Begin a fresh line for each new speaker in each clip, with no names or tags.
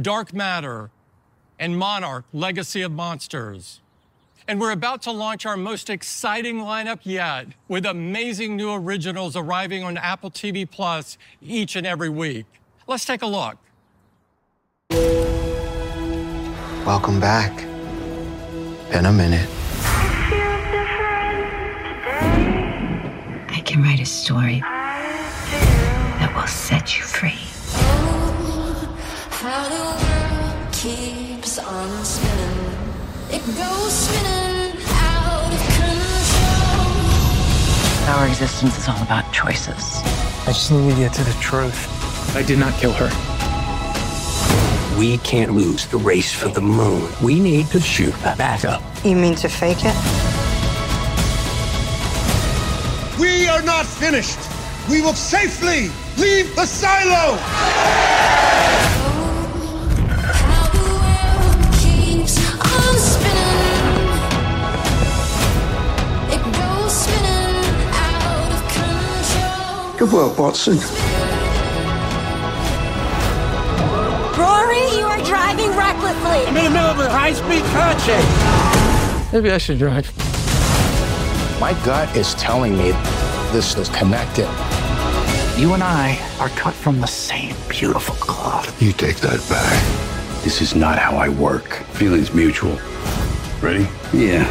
Dark Matter, and Monarch: Legacy of Monsters. We're about to launch our most exciting lineup yet, with amazing new originals arriving on Apple TV+ each and every week. Let's take a look. Welcome back. Been a minute. I feel different today.
I can write a story- I do that will set you free. Oh, how the world keeps on spinning. It goes spinning out of control. Our existence is all about choices. I just need to get to the truth. I did not kill her. We can't lose the race for the moon. We need to shoot a backup. You mean to fake it? We are not finished! We will safely leave the silo. Oh, how the world keeps on spinning. It goes spinning out of control. Good work, Watson. Rory, you are driving recklessly. I'm in the middle of a high-speed car chase. Maybe I should drive. My gut is telling me this is connected. You and I are cut from the same beautiful cloth. You take that back. This is not how I work. Feeling's mutual. Ready? Yeah.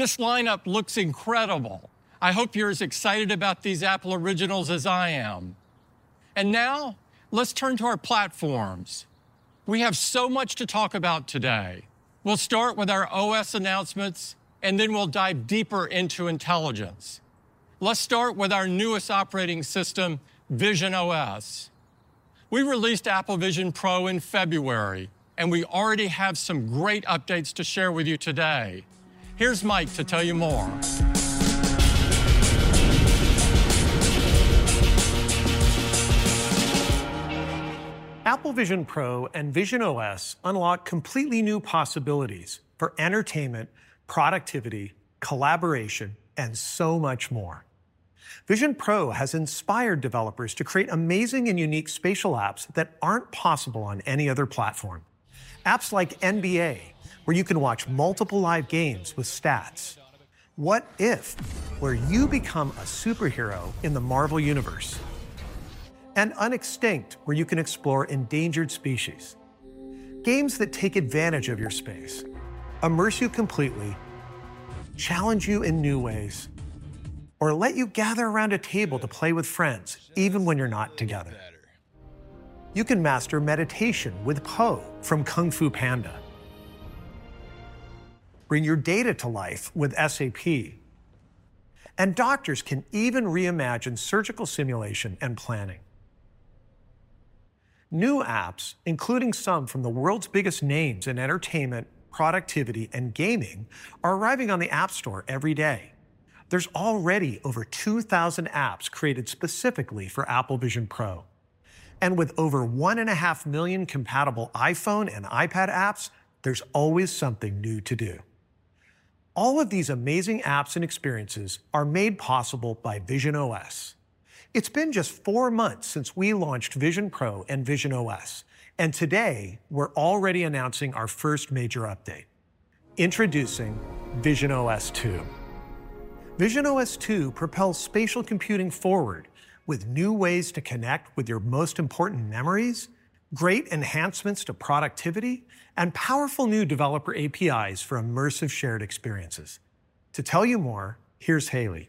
Wait! Admit it, he is cool. Okay, fine. He was very cool. Go spinning, yeah.
This lineup looks incredible. I hope you're as excited about these Apple originals as I am. Now, let's turn to our platforms. We have so much to talk about today. We'll start with our OS announcements, and then we'll dive deeper into intelligence. Let's start with our newest operating system, visionOS. We released Apple Vision Pro in February, and we already have some great Updates to share with you today. Here's Mike to tell you more. Apple Vision Pro and visionOS unlock completely new possibilities for entertainment, productivity, collaboration, and so much more. Vision Pro has inspired developers to create amazing and unique spatial apps that aren't possible on any other platform. Apps like NBA, where you can watch multiple live games with stats. What If..., where you become a superhero in the Marvel universe. And Unextinct, where you can explore endangered species. Games that take advantage of your space, immerse you completely, challenge you in new ways, or let you gather around a table to play with friends, even when you're not together. You can master meditation with Po from Kung Fu Panda, bring your data to life with SAP, and doctors can even reimagine surgical simulation and planning. New apps, including some from the world's biggest names in entertainment, productivity, and gaming, are arriving on the App Store every day. There's already over 2,000 apps created specifically for Apple Vision Pro, and with over 1.5 million compatible iPhone and iPad apps, there's always something new to do. All of these amazing apps and experiences are made possible by visionOS. It's been just four months since we launched Vision Pro and visionOS, and today, we're already announcing our first major update. Introducing visionOS 2. visionOS 2 propels spatial computing forward with new ways to connect with your most important memories, great enhancements to productivity, and powerful new developer APIs for immersive shared experiences. To tell you more, here's Haley.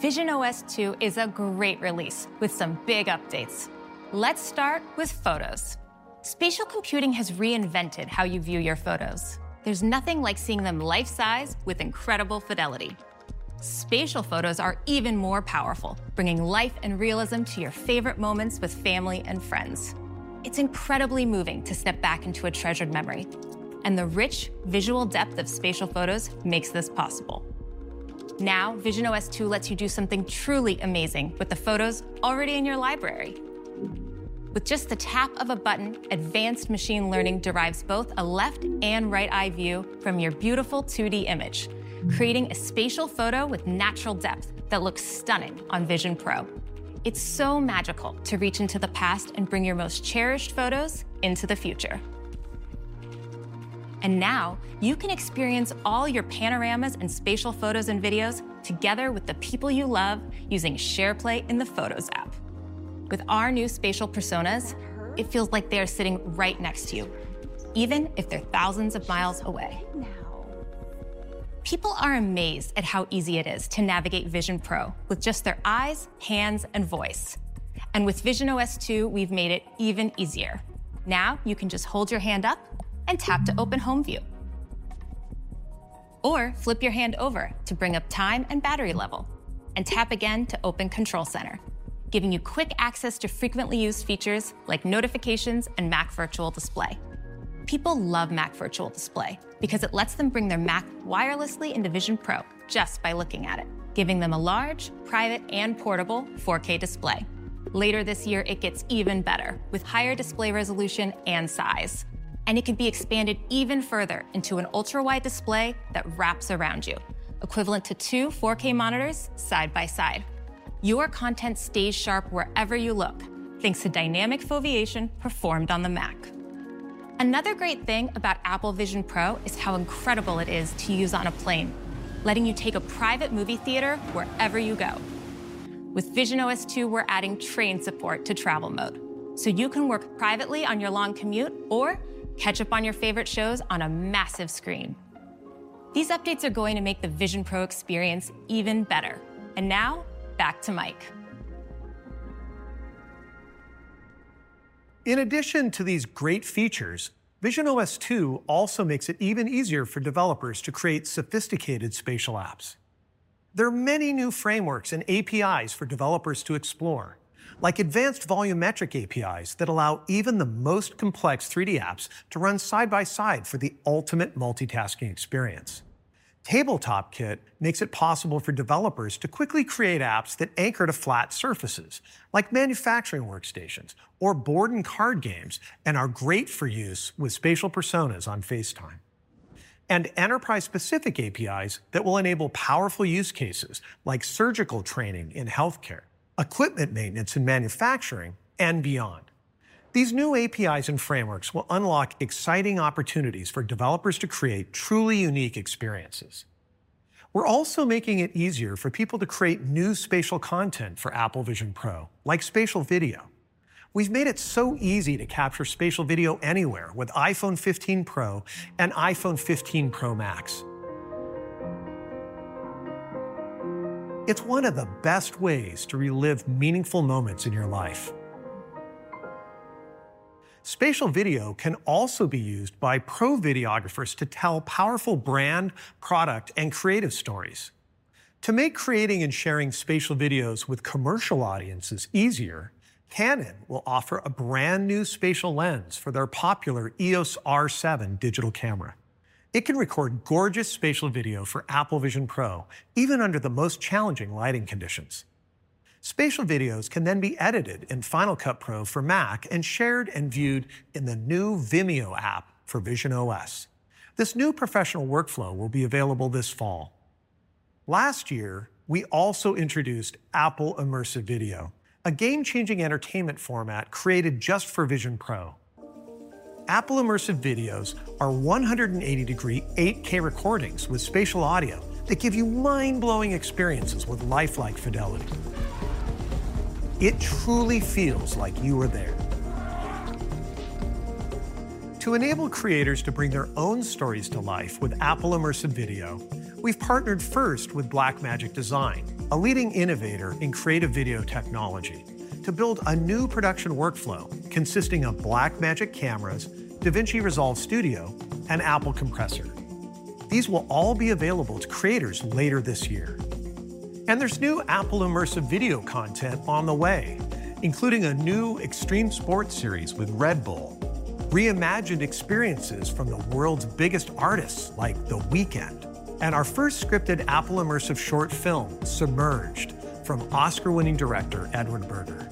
visionOS 2 is a great release with some big Updates. Let's start with Photos. Spatial computing has reinvented how you view your Photos. There's nothing like seeing them life-size with incredible fidelity. Spatial Photos are even more powerful, bringing life and realism to your favorite moments with family and friends. It's incredibly moving to step back into a treasured memory, and the rich visual depth of spatial Photos makes this possible. Now, visionOS 2 lets you do something truly amazing with the Photos already in your library. With just the tap of a button, advanced machine learning derives both a left and right eye view from your beautiful 2D image, creating a spatial photo with natural depth that looks stunning on Vision Pro. It's so magical to reach into the past and bring your most cherished Photos into the future. And now, you can experience all your panoramas and spatial Photos and videos together with the people you love using SharePlay in the Photos app. With our new spatial personas- Is that her? It feels like they are sitting right next to you, even if they're thousands of miles away. Now. People are amazed at how easy it is to navigate Vision Pro with just their eyes, hands, and voice. With visionOS 2, we've made it even easier. Now, you can just hold your hand up and tap to open Home View, or flip your hand over to bring up time and battery level, and tap again to open Control Center, giving you quick access to frequently used features like notifications and Mac Virtual Display. People love Mac Virtual Display because it lets them bring their Mac wirelessly into Vision Pro just by looking at it, giving them a large, private, and portable 4K display. Later this year, it gets even better, with higher display resolution and size, and it can be expanded even further into an ultra-wide display that wraps around you, equivalent to two 4K monitors side by side. Your content stays sharp wherever you look, thanks to dynamic foveation performed on the Mac. Another great thing about Apple Vision Pro is how incredible it is to use on a plane, letting you take a private movie theater wherever you go. With visionOS 2, we're adding train support to Travel Mode, so you can work privately on your long commute or catch up on your favorite shows on a massive screen. These Updates are going to make the Vision Pro experience even better. And now, back to Mike. In addition to these great features, visionOS 2 also makes it even easier for developers to create sophisticated spatial apps. There are many new frameworks and APIs for developers to explore, like advanced volumetric APIs that allow even the most complex 3D apps to run side by side for the ultimate multitasking experience. TabletopKit makes it possible for developers to quickly create apps that anchor to flat surfaces, like manufacturing workstations or board and card games, and are great for use with spatial personas on FaceTime. Enterprise-specific APIs that will enable powerful use cases, like surgical training in healthcare, equipment maintenance in manufacturing, and beyond. These new APIs and frameworks will unlock exciting opportunities for developers to create truly unique experiences. We're also making it easier for people to create new spatial content for Apple Vision Pro, like spatial video. We've made it so easy to capture spatial video anywhere with iPhone 15 Pro and iPhone 15 Pro Max. It's one of the best ways to relive meaningful moments in your life. Spatial video can also be used by pro videographers to tell powerful brand, product, and creative stories. To make creating and sharing spatial videos with commercial audiences easier, Canon will offer a brand-new spatial lens for their popular EOS R7 digital camera. It can record gorgeous spatial video for Apple Vision Pro, even under the most challenging lighting conditions. Spatial videos can then be edited in Final Cut Pro for Mac and shared and viewed in the new Vimeo app for visionOS. This new professional workflow will be available this fall. Last year, we also introduced Apple Immersive Video, a game-changing entertainment format created just for Vision Pro. Apple Immersive Videos are 180-degree, 8K recordings with spatial audio that give you mind-blowing experiences with lifelike fidelity. It truly feels like you are there. To enable creators to bring their own stories to life with Apple Immersive Video, we've partnered first with Blackmagic Design, a leading innovator in creative video technology, to build a new production workflow consisting of Blackmagic cameras, DaVinci Resolve Studio, and Apple Compressor. These will all be available to creators later this year. And there's new Apple Immersive Video content on the way, including a new extreme sports series with Red Bull, reimagined experiences from the world's biggest artists, like The Weeknd, and our first scripted Apple Immersive short film, Submerged, from Oscar-winning director Edward Berger.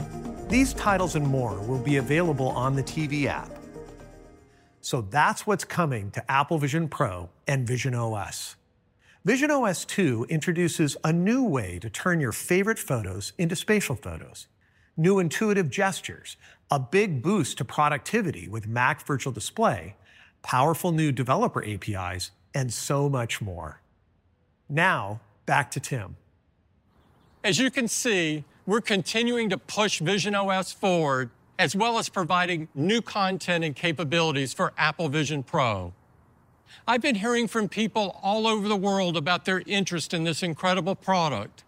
These titles and more will be available on the TV app. So that's what's coming to Apple Vision Pro and visionOS. visionOS 2 introduces a new way to turn your favorite Photos into spatial Photos, new intuitive gestures, a big boost to productivity with Mac Virtual Display, powerful new developer APIs, and so much more. Now, back to Tim.
As you can see, we're continuing to push visionOS forward, as well as providing new content and capabilities for Apple Vision Pro. I've been hearing from people all over the world about their interest in this incredible product,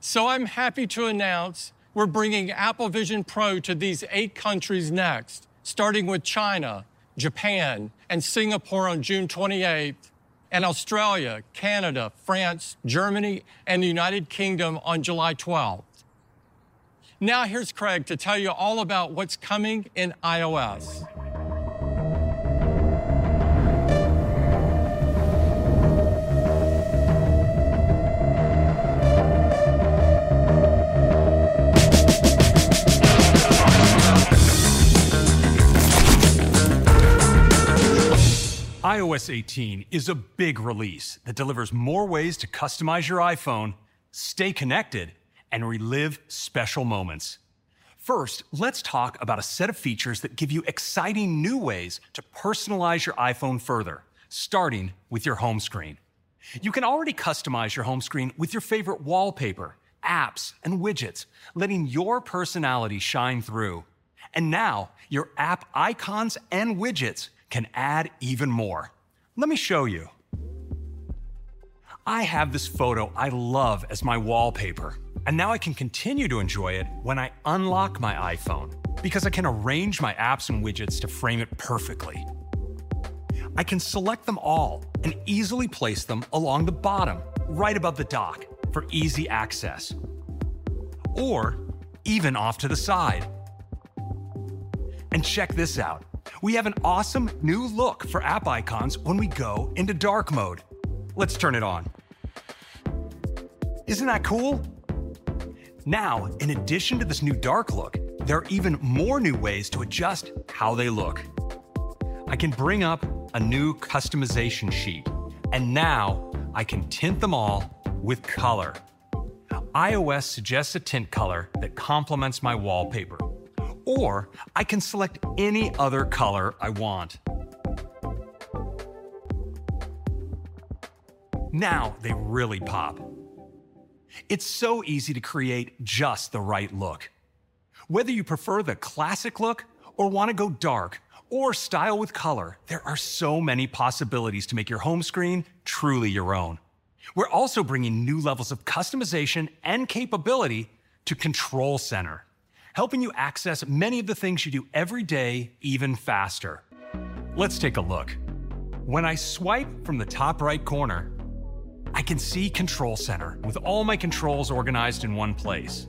so I'm happy to announce we're bringing Apple Vision Pro to these eight countries next, starting with China, Japan, and Singapore on June 28th, and Australia, Canada, France, Germany, and the United Kingdom on July 12th. Now, here's Craig to tell you all about what's coming in iOS.
iOS 18 is a big release that delivers more ways to customize your iPhone, stay connected, and relive special moments. First, let's talk about a set of features that give you exciting new ways to personalize your iPhone further, starting with your home screen. You can already customize your home screen with your favorite wallpaper, apps, and widgets, letting your personality shine through. And now, your app icons and widgets can add even more. Let me show you. I have this photo I love as my wallpaper, and now I can continue to enjoy it when I unlock my iPhone, because I can arrange my apps and widgets to frame it perfectly. I can select them all and easily place them along the bottom, right above the dock, for easy access... or even off to the side. Check this out, we have an awesome new look for app icons when we go into dark mode. Let's turn it on. Isn't that cool? Now, in addition to this new dark look, there are even more new ways to adjust how they look. I can bring up a new customization sheet, and now I can tint them all with color. Now, iOS suggests a tint color that complements my wallpaper, or I can select any other color I want. Now they really pop. It's so easy to create just the right look. Whether you prefer the classic look or want to go dark, or style with color, there are so many possibilities to make your home screen truly your own. We're also bringing new levels of customization and capability to Control Center, helping you access many of the things you do every day even faster. Let's take a look. When I swipe from the top right corner, I can see Control Center with all my controls organized in one place.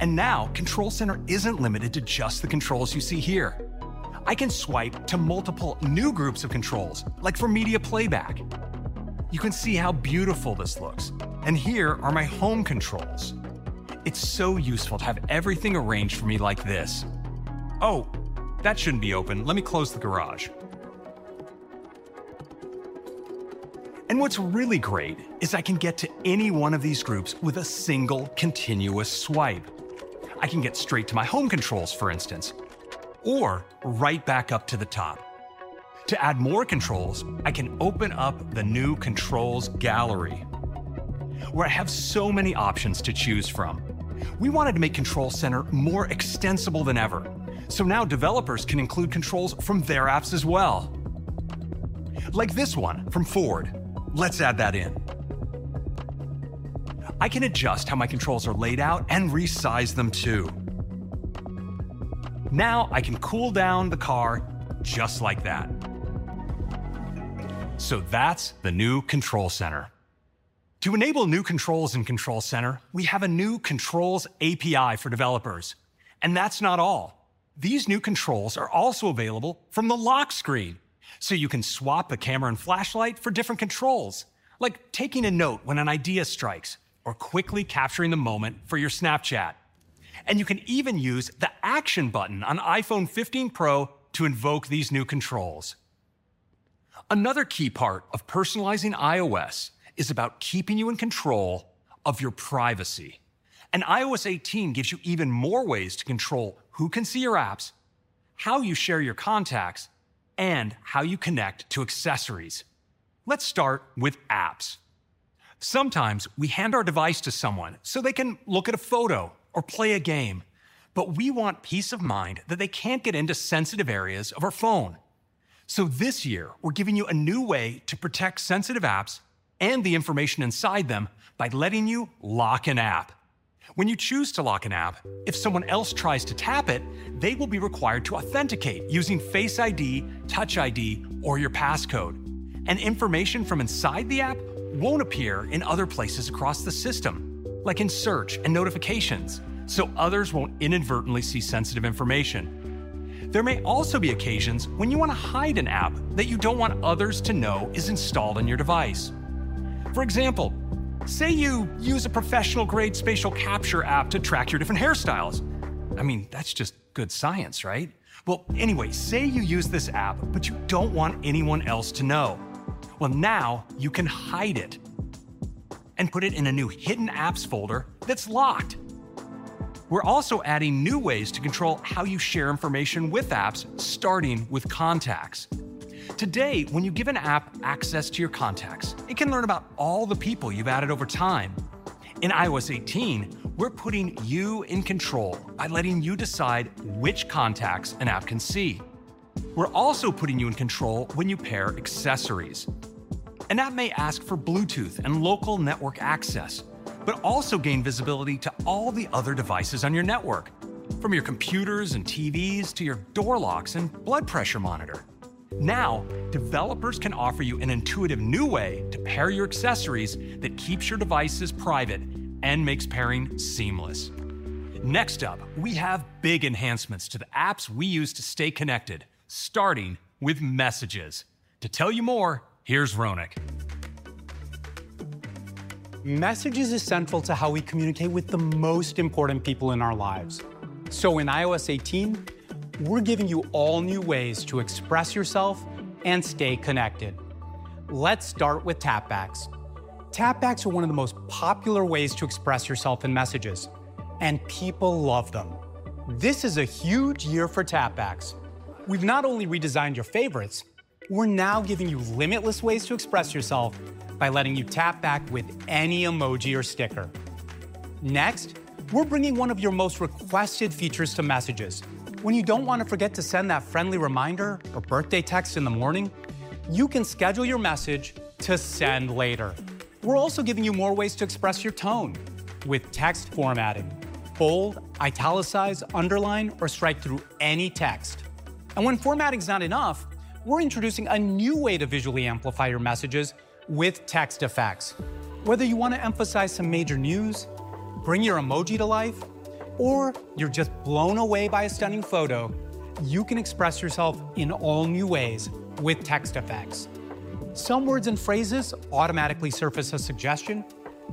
Now, Control Center isn't limited to just the controls you see here. I can swipe to multiple new groups of controls, like for media playback. You can see how beautiful this looks, and here are my home controls. It's so useful to have everything arranged for me like this. Oh, that shouldn't be open. Let me close the garage. What's really great is I can get to any one of these groups with a single, continuous swipe. I can get straight to my home controls, for instance, or right back up to the top. To add more controls, I can open up the new controls gallery, where I have so many options to choose from. We wanted to make Control Center more extensible than ever, so now developers can include controls from their apps as well, like this one from Ford. Let's add that in. I can adjust how my controls are laid out and resize them, too. Now, I can cool down the car just like that. That's the new Control Center. To enable new controls in Control Center, we have a new controls API for developers, and that's not all. These new controls are also available from the lock screen, so you can swap a camera and flashlight for different controls, like taking a note when an idea strikes, or quickly capturing the moment for your Snapchat. You can even use the Action button on iPhone 15 Pro to invoke these new controls. Another key part of personalizing iOS is about keeping you in control of your privacy, and iOS 18 gives you even more ways to control who can see your apps, how you share your contacts, and how you connect to accessories. Let's start with apps. Sometimes we hand our device to someone so they can look at a photo or play a game, but we want peace of mind that they can't get into sensitive areas of our phone. So this year, we're giving you a new way to protect sensitive apps and the information inside them by letting you lock an app. When you choose to lock an app, if someone else tries to tap it, they will be required to authenticate using Face ID, Touch ID, or your passcode. Information from inside the app won't appear in other places across the system, like in search and notifications, so others won't inadvertently see sensitive information. There may also be occasions when you want to hide an app that you don't want others to know is installed on your device. For example, say you use a professional-grade spatial capture app to track your different hairstyles. I mean, that's just good science, right? Well, anyway, say you use this app, but you don't want anyone else to know. Well, now you can hide it and put it in a new hidden apps folder that's locked. We're also adding new ways to control how you share information with apps, starting with contacts. Today, when you give an app access to your contacts, it can learn about all the people you've added over time. In iOS 18, we're putting you in control by letting you decide which contacts an app can see. We're also putting you in control when you pair accessories. An app may ask for Bluetooth and local network access, but also gain visibility to all the other devices on your network, from your computers and TVs to your door locks and blood pressure monitor. Now, developers can offer you an intuitive new way to pair your accessories that keeps your devices private and makes pairing seamless. Next up, we have big enhancements to the apps we use to stay connected, starting with Messages. To tell you more, here's Ronak.
Messages is central to how we communicate with the most important people in our lives. So in iOS 18, we're giving you all new ways to express yourself and stay connected. Let's start with Tapbacks. Tapbacks are one of the most popular ways to express yourself in Messages, and people love them. This is a huge year for Tapbacks. We've not only redesigned your favorites, we're now giving you limitless ways to express yourself by letting you Tapback with any emoji or sticker. Next, we're bringing one of your most requested features to Messages. When you don't want to forget to send that friendly reminder or birthday text in the morning, you can schedule your message to send later. We're also giving you more ways to express your tone with text formatting. Bold, italicize, underline, or strike through any text... When formatting is not enough, we're introducing a new way to visually amplify your Messages with text effects. Whether you want to emphasize some major news, bring your emoji to life, or you're just blown away by a stunning photo, you can express yourself in all new ways with text effects. Some words and phrases automatically surface a suggestion,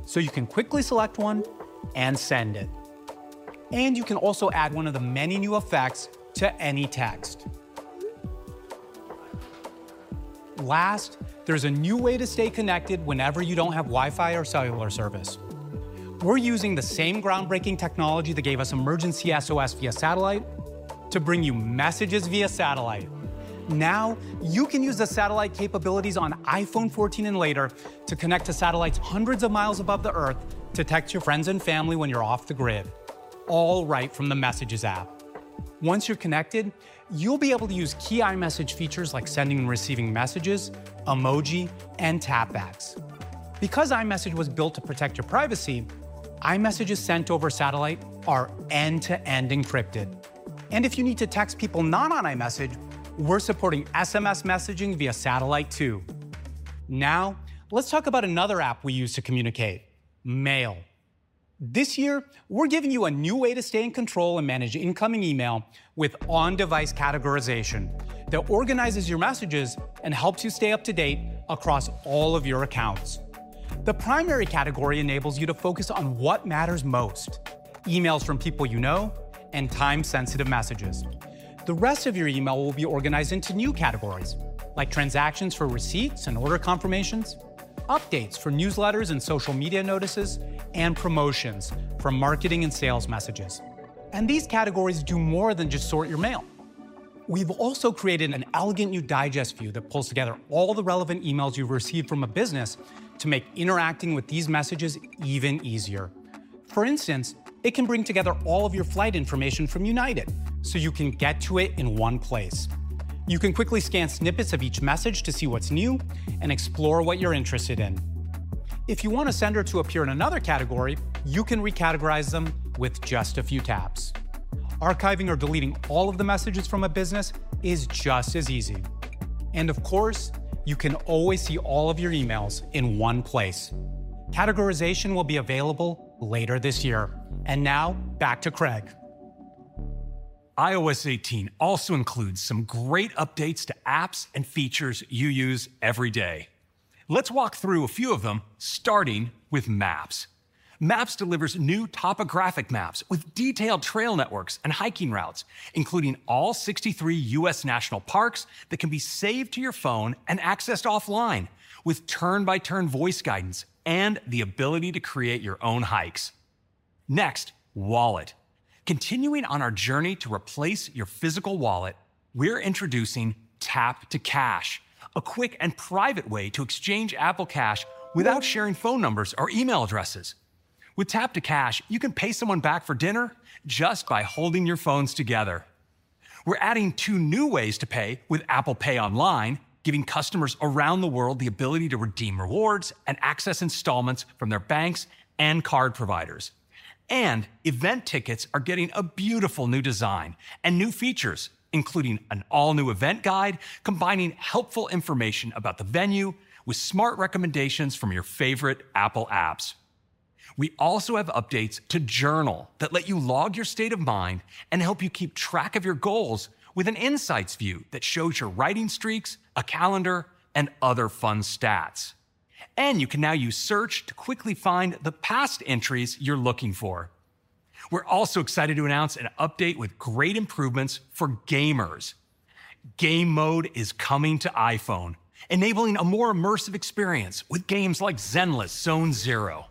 so you can quickly select one and send it. You can also add one of the many new effects to any text. Last, there's a new way to stay connected whenever you don't have Wi-Fi or cellular service. We're using the same groundbreaking technology that gave us Emergency SOS via satellite to bring you Messages via satellite. Now, you can use the satellite capabilities on iPhone 14 and later to connect to satellites hundreds of miles above the Earth to text your friends and family when you're off the grid, all right from the Messages app. Once you're connected, you'll be able to use key iMessage features like sending and receiving Messages, emoji, and Tapbacks. Because iMessage was built to protect your privacy, iMessages sent over satellite are end-to-end encrypted. And if you need to text people not on iMessage, we're supporting SMS messaging via satellite, too. Now, let's talk about another app we use to communicate: Mail. This year, we're giving you a new way to stay in control and manage incoming email with on-device categorization that organizes your Messages and helps you stay up to date across all of your accounts. The Primary category enables you to focus on what matters most, emails from people you know, and time-sensitive Messages. The rest of your email will be organized into new categories, like Transactions for receipts and order confirmations, Updates for newsletters and social media notices, and Promotions from marketing and sales Messages. These categories do more than just sort your Mail. We've also created an elegant new digest view that pulls together all the relevant emails you've received from a business to make interacting with these Messages even easier. For instance, it can bring together all of your flight information from United, so you can get to it in one place. You can quickly scan snippets of each message to see what's new and explore what you're interested in. If you want a sender to appear in another category, you can recategorize them with just a few taps. Archiving or deleting all of the Messages from a business is just as easy. Of course, you can always see all of your emails in one place. Categorization will be available later this year. Now, back to Craig.
iOS 18 also includes some great Updates to apps and features you use every day. Let's walk through a few of them, starting with Maps. Maps delivers new topographic maps with detailed trail networks and hiking routes, including all 63 U.S. national parks, that can be saved to your phone and accessed offline, with turn-by-turn voice guidance and the ability to create your own hikes. Next, Wallet. Continuing on our journey to replace your physical wallet, we're introducing Tap to Cash, a quick and private way to exchange Apple Cash without sharing phone numbers or email addresses. With Tap to Cash, you can pay someone back for dinner just by holding your phones together. We're adding two new ways to pay with Apple Pay online, giving customers around the world the ability to redeem rewards and access installments from their banks and card providers. Event tickets are getting a beautiful new design and new features, including an all-new event guide, combining helpful information about the venue with smart recommendations from your favorite Apple apps. We also have Updates to Journal that let you log your state of mind and help you keep track of your goals with an insights view that shows your writing streaks, a calendar, and other fun stats. You can now use Search to quickly find the past entries you're looking for. We're also excited to announce an update with great improvements for gamers. Game Mode is coming to iPhone, enabling a more immersive experience with games like Zenless Zone Zero.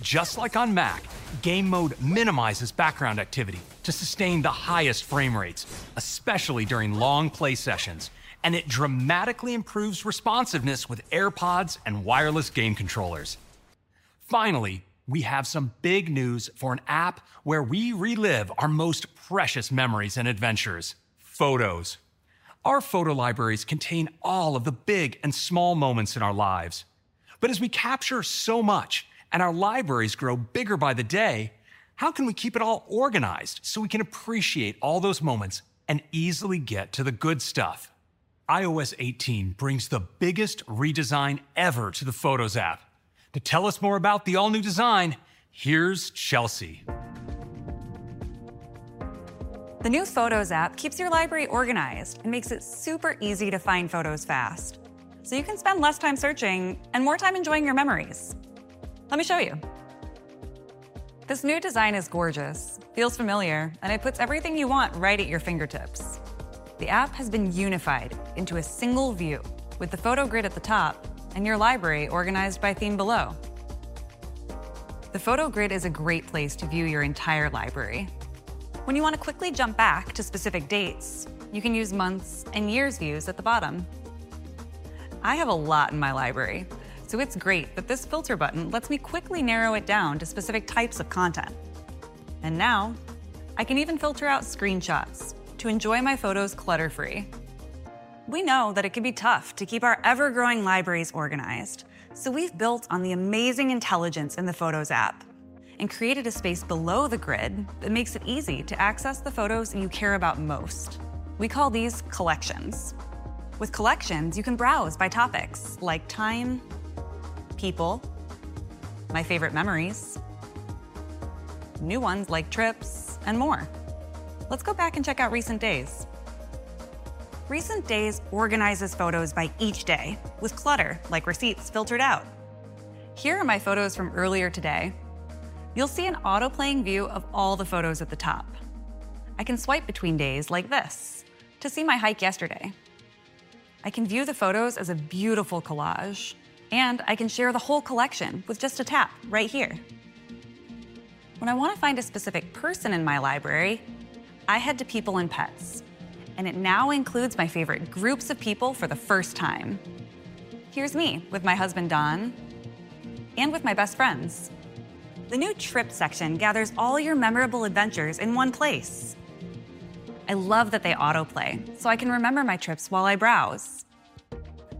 Just like on Mac, Game Mode minimizes background activity to sustain the highest frame rates, especially during long play sessions, and it dramatically improves responsiveness with AirPods and wireless game controllers. Finally, we have some big news for an app where we relive our most precious memories and adventures: Photos. Our photo libraries contain all of the big and small moments in our lives. But as we capture so much and our libraries grow bigger by the day, how can we keep it all organized so we can appreciate all those moments and easily get to the good stuff? iOS 18 brings the biggest redesign ever to the Photos app. To tell us more about the all-new design, here's Chelsea.
The new Photos app keeps your library organized and makes it super easy to find Photos fast, so you can spend less time searching and more time enjoying your memories. Let me show you. This new design is gorgeous, feels familiar, and it puts everything you want right at your fingertips. The app has been unified into a single view, with the photo grid at the top and your library organized by theme below. The photo grid is a great place to view your entire library. When you want to quickly jump back to specific dates, you can use months and years views at the bottom. I have a lot in my library, so it's great that this filter button lets me quickly narrow it down to specific types of content. And now, I can even filter out screenshots to enjoy my Photos clutter-free... We know that it can be tough to keep our ever-growing libraries organized, so we've built on the amazing intelligence in the Photos app, and created a space below the grid that makes it easy to access the photos that you care about most. We call these collections. With collections, you can browse by topics, like time, people, my favorite memories, new ones, like trips, and more. Let's go back and check out Recent Days. Recent Days organizes Photos by each day, with clutter, like receipts, filtered out. Here are my Photos from earlier today. You'll see an auto-playing view of all the Photos at the top. I can swipe between days like this to see my hike yesterday. I can view the Photos as a beautiful collage, and I can share the whole collection with just a tap right here. When I wanna find a specific person in my library, I head to people and pets, and it now includes my favorite groups of people for the first time. Here's me with my husband, Don, and with my best friends. The new trips section gathers all your memorable adventures in one place. I love that they auto-play, so I can remember my trips while I browse.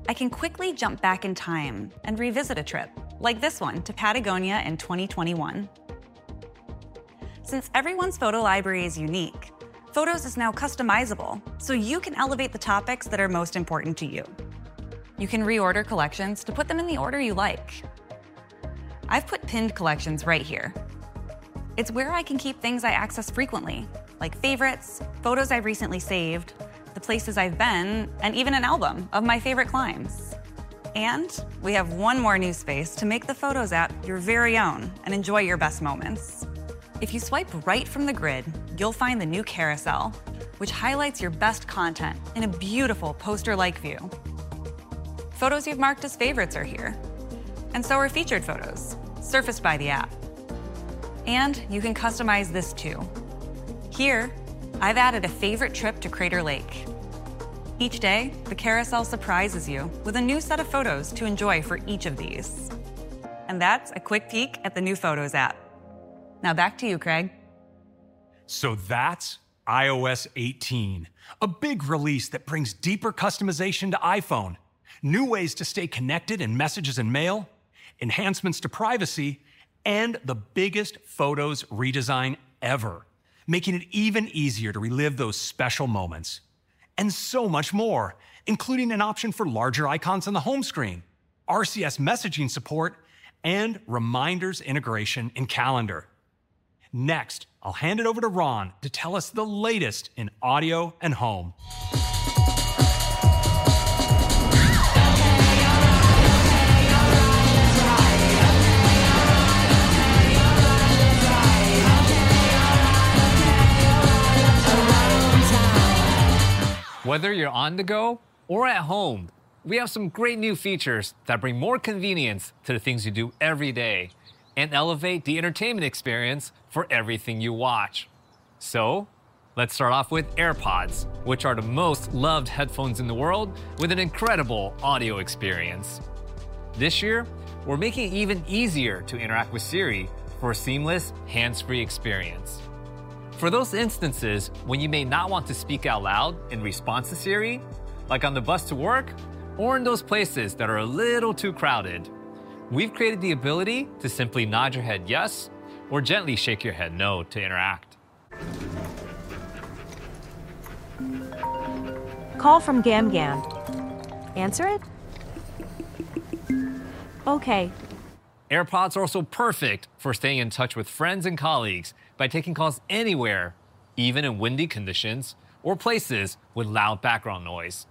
I can quickly jump back in time and revisit a trip, like this one to Patagonia in 2021. Since everyone's photo library is unique, Photos is now customizable, so you can elevate the topics that are most important to you. You can reorder collections to put them in the order you like. I've put Pinned Collections right here. It's where I can keep things I access frequently, like favorites, Photos I've recently saved, the places I've been, and even an album of my favorite climbs. We have one more new space to make the Photos app your very own, and enjoy your best moments. If you swipe right from the grid, you'll find the new Carousel, which highlights your best content in a beautiful poster-like view. Photos you've marked as favorites are here, and so are featured Photos surfaced by the app. You can customize this, too. Here, I've added a favorite trip to Crater Lake. Each day, the carousel surprises you with a new set of Photos to enjoy for each of these. That's a quick peek at the new Photos app. Now, back to you, Craig.
That's iOS 18, a big release that brings deeper customization to iPhone, new ways to stay connected in Messages and Mail, enhancements to privacy, and the biggest Photos redesign ever, making it even easier to relive those special moments. So much more, including an option for larger icons on the home screen, RCS messaging support, and Reminders integration in Calendar. Next, I'll hand it over to Ron to tell us the latest in audio and home.
Whether you're on the go or at home, we have some great new features that bring more convenience to the things you do every day, and elevate the entertainment experience for everything you watch. Let's start off with AirPods, which are the most loved headphones in the world, with an incredible audio experience. This year, we're making it even easier to interact with Siri for a seamless hands-free experience. For those instances when you may not want to speak out loud in response to Siri, like on the bus to work, or in those places that are a little too crowded, we've created the ability to simply nod your head yes, or gently shake your head no to interact. Call from Gam Gam. Answer it? Okay. AirPods are also perfect for staying in touch with friends and colleagues by taking calls anywhere, even in windy conditions or places with loud background noise.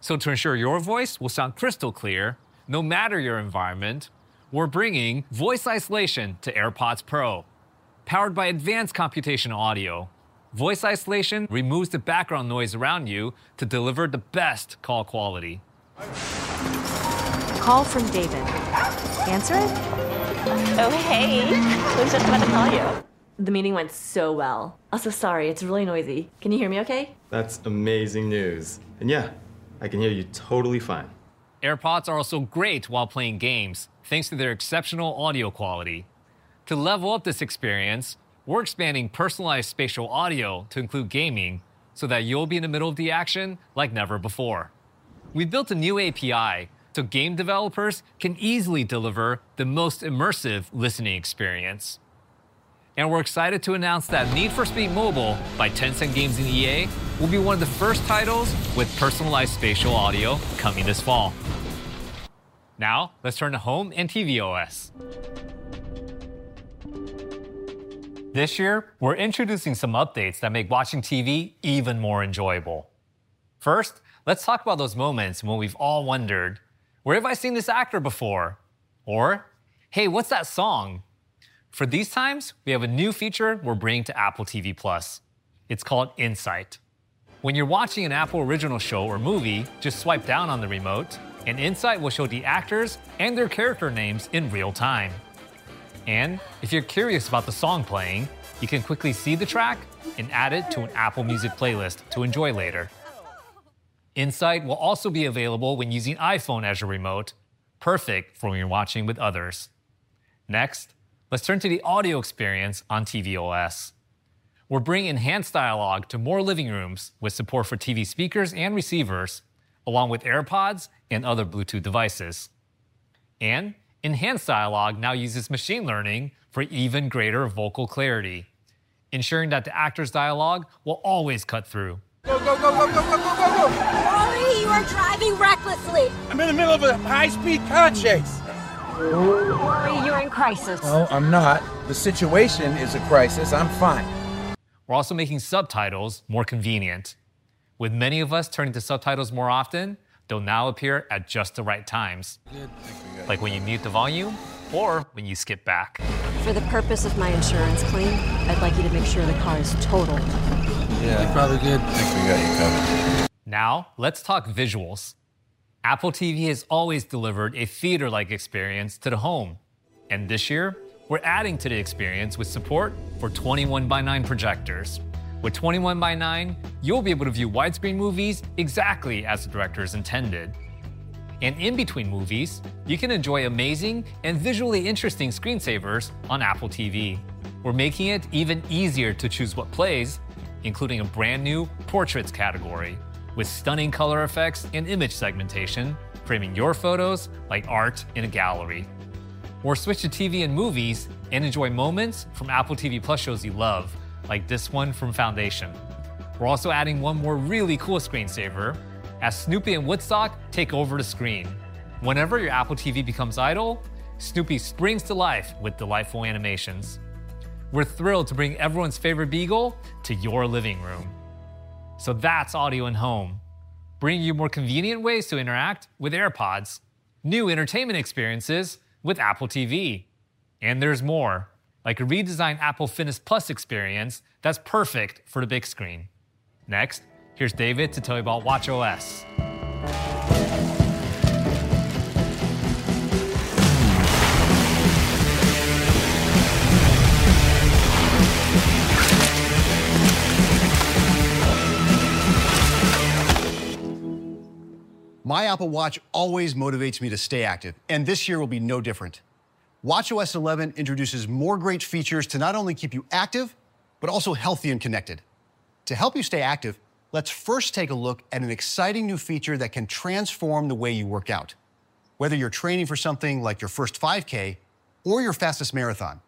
So to ensure your voice will sound crystal clear, no matter your environment, we're bringing Voice Isolation to AirPods Pro. Powered by advanced computational audio, Voice Isolation removes the background noise around you to deliver the best call quality. Call from David. Answer it? Oh, hey, I was just about to call you. The meeting went so well. I'm so sorry, it's really noisy. Can you hear me okay?
That's amazing news. And yeah, I can hear you totally fine. AirPods are also great while playing games, thanks to their exceptional audio quality. To level up this experience, we're expanding Personalized Spatial Audio to include gaming, so that you'll be in the middle of the action like never before. We've built a new API, so game developers can easily deliver the most immersive listening experience. And we're excited to announce that Need for Speed Mobile by Tencent Games and EA will be one of the first titles with Personalized Spatial Audio coming this fall. Now, let's turn to home and tvOS. This year, we're introducing some Updates that make watching TV even more enjoyable. First, let's talk about those moments when we've all wondered, "Where have I seen this actor before?" Or, "Hey, what's that song?" For these times, we have a new feature we're bringing to Apple TV+. It's called Insight. When you're watching an Apple Original show or movie, just swipe down on the remote, and Insight will show the actors and their character names in real time. And if you're curious about the song playing, you can quickly see the track and add it to an Apple Music playlist to enjoy later. Insight will also be available when using iPhone as your remote, perfect for when you're watching with others… Next, let's turn to the audio experience on tvOS. We're bringing Enhanced Dialogue to more living rooms, with support for TV speakers and receivers, along with AirPods and other Bluetooth devices. Enhanced Dialogue now uses machine learning for even greater vocal clarity, ensuring that the actor's dialogue will always cut through. Go, go, go, go, go, go, go, go! Rory, you are driving recklessly. I'm in the middle of a high-speed car chase. Rory, you're in crisis. No, I'm not. The situation is a crisis. I'm fine. We're also making subtitles more convenient. With many of us turning to subtitles more often, they'll now appear at just the right times- I think we got this. Like when you mute the volume or when you skip back. For the purpose of my insurance claim, I'd like you to make sure the car is totaled. Yeah, I think we probably did. I think we got you covered. Now, let's talk visuals. Apple TV has always delivered a theater-like experience to the home, and this year, we're adding to the experience with support for 21:9 projectors. With 21:9, you'll be able to view widescreen movies exactly as the directors intended. In between movies, you can enjoy amazing and visually interesting screensavers on Apple TV. We're making it even easier to choose what plays, including a brand-new Portraits category, with stunning color effects and image segmentation, framing your Photos like art in a gallery. Switch to TV and movies and enjoy moments from Apple TV+ shows you love, like this one from Foundation. We're also adding one more really cool screensaver, as Snoopy and Woodstock take over the screen. Whenever your Apple TV becomes idle, Snoopy springs to life with delightful animations. We're thrilled to bring everyone's favorite beagle to your living room. So that's audio and home, bringing you more convenient ways to interact with AirPods, new entertainment experiences with Apple TV, and there's more, like a redesigned Apple Fitness+ experience that's perfect for the big screen. Next, here's David to tell you about watchOS.
My Apple Watch always motivates me to stay active, and this year will be no different. watchOS 11 introduces more great features to not only keep you active, but also healthy and connected. To help you stay active, let's first take a look at an exciting new feature that can transform the way you work out, whether you're training for something like your first 5K or your fastest marathon.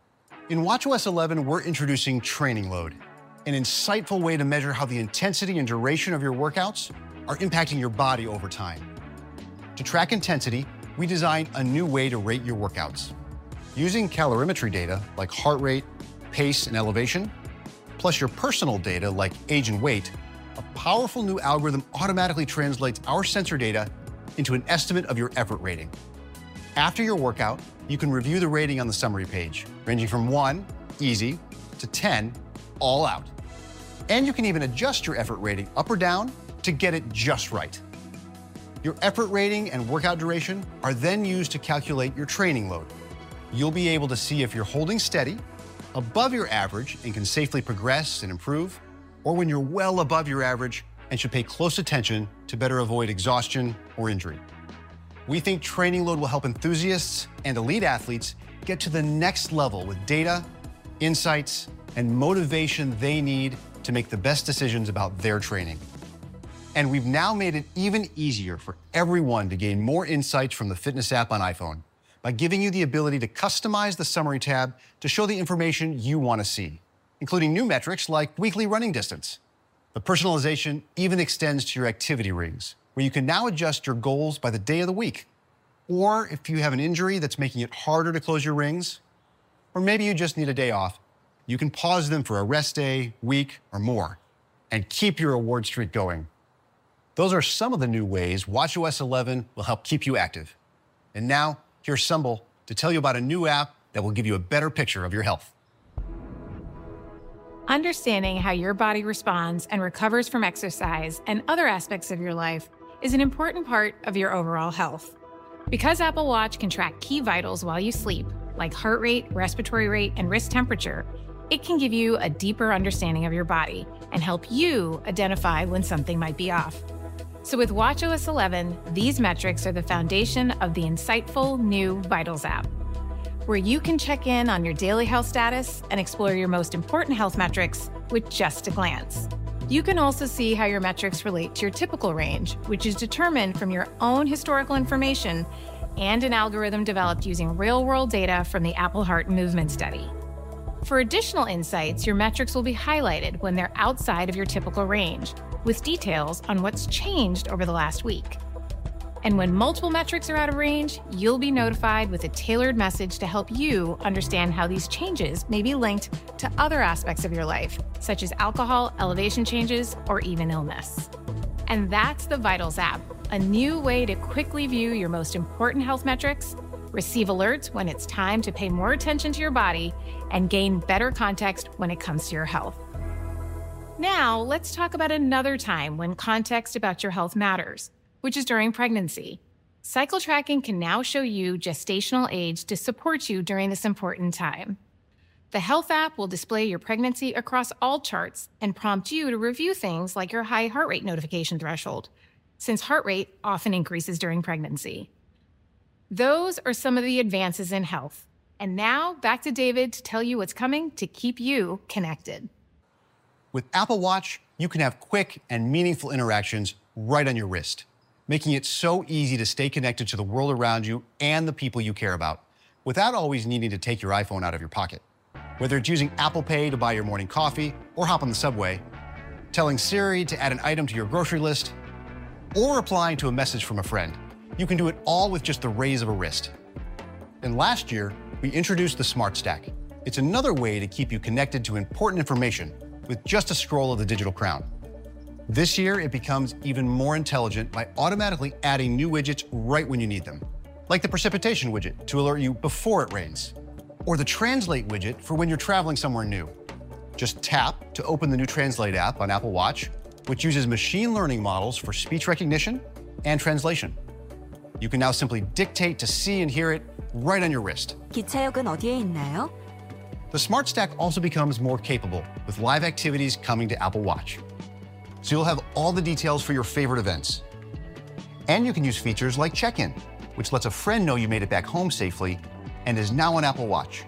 In watchOS 11, we're introducing Training Load, an insightful way to measure how the intensity and duration of your workouts are impacting your body over time. To track intensity, we designed a new way to rate your workouts. Using calorimetry data, like heart rate, pace, and elevation, plus your personal data, like age and weight, a powerful new algorithm automatically translates our sensor data into an estimate of your effort rating. After your workout, you can review the rating on the summary page, ranging from 1, easy, to 10, all out. And you can even adjust your effort rating up or down to get it just right. Your effort rating and workout duration are then used to calculate your Training Load. You'll be able to see if you're holding steady, above your average and can safely progress and improve, or when you're well above your average and should pay close attention to better avoid exhaustion or injury. We think Training Load will help enthusiasts and elite athletes get to the next level with data, insights, and motivation they need to make the best decisions about their training. We've now made it even easier for everyone to gain more insights from the Fitness app on iPhone by giving you the ability to customize the Summary tab to show the information you want to see, including new metrics like weekly running distance. The personalization even extends to your Activity rings, where you can now adjust your goals by the day of the week, or if you have an injury that's making it harder to close your rings, or maybe you just need a day off, you can pause them for a rest day, week, or more, and keep your award streak going. Those are some of the new ways watchOS 11 will help keep you active. Now, here's Sumbul to tell you about a new app that will give you a better picture of your health.
Understanding how your body responds and recovers from exercise and other aspects of your life is an important part of your overall health. Because Apple Watch can track key vitals while you sleep, like heart rate, respiratory rate, and wrist temperature, it can give you a deeper understanding of your body and help you identify when something might be off. With watchOS 11, these metrics are the foundation of the insightful new Vitals app, where you can check in on your daily health status and explore your most important health metrics with just a glance. You can also see how your metrics relate to your typical range, which is determined from your own historical information and an algorithm developed using real-world data from the Apple Heart Movement Study. For additional insights, your metrics will be highlighted when they're outside of your typical range, with details on what's changed over the last week. When multiple metrics are out of range, you'll be notified with a tailored message to help you understand how these changes may be linked to other aspects of your life, such as alcohol, elevation changes, or even illness. That's the Vitals app, a new way to quickly view your most important health metrics, receive alerts when it's time to pay more attention to your body, and gain better context when it comes to your health. Now, let's talk about another time when context about your health matters, which is during pregnancy. Cycle Tracking can now show you gestational age to support you during this important time. The Health app will display your pregnancy across all charts and prompt you to review things like your high heart rate notification threshold, since heart rate often increases during pregnancy. Those are some of the advances in health, and now back to David to tell you what's coming to keep you connected.
With Apple Watch, you can have quick and meaningful interactions right on your wrist, making it so easy to stay connected to the world around you and the people you care about, without always needing to take your iPhone out of your pocket. Whether it's using Apple Pay to buy your morning coffee or hop on the subway, telling Siri to add an item to your grocery list, or replying to a message from a friend, you can do it all with just the raise of a wrist. Last year, we introduced the Smart Stack. It's another way to keep you connected to important information with just a scroll of the Digital Crown. This year, it becomes even more intelligent by automatically adding new widgets right when you need them, like the Precipitation widget to alert you before it rains, or the Translate widget for when you're traveling somewhere new. Just tap to open the new Translate app on Apple Watch, which uses machine learning models for speech recognition and translation. You can now simply dictate to see and hear it right on your wrist. The Smart Stack also becomes more capable with Live Activities coming to Apple Watch, so you'll have all the details for your favorite events. And you can use features like Check In, which lets a friend know you made it back home safely, and is now on Apple Watch,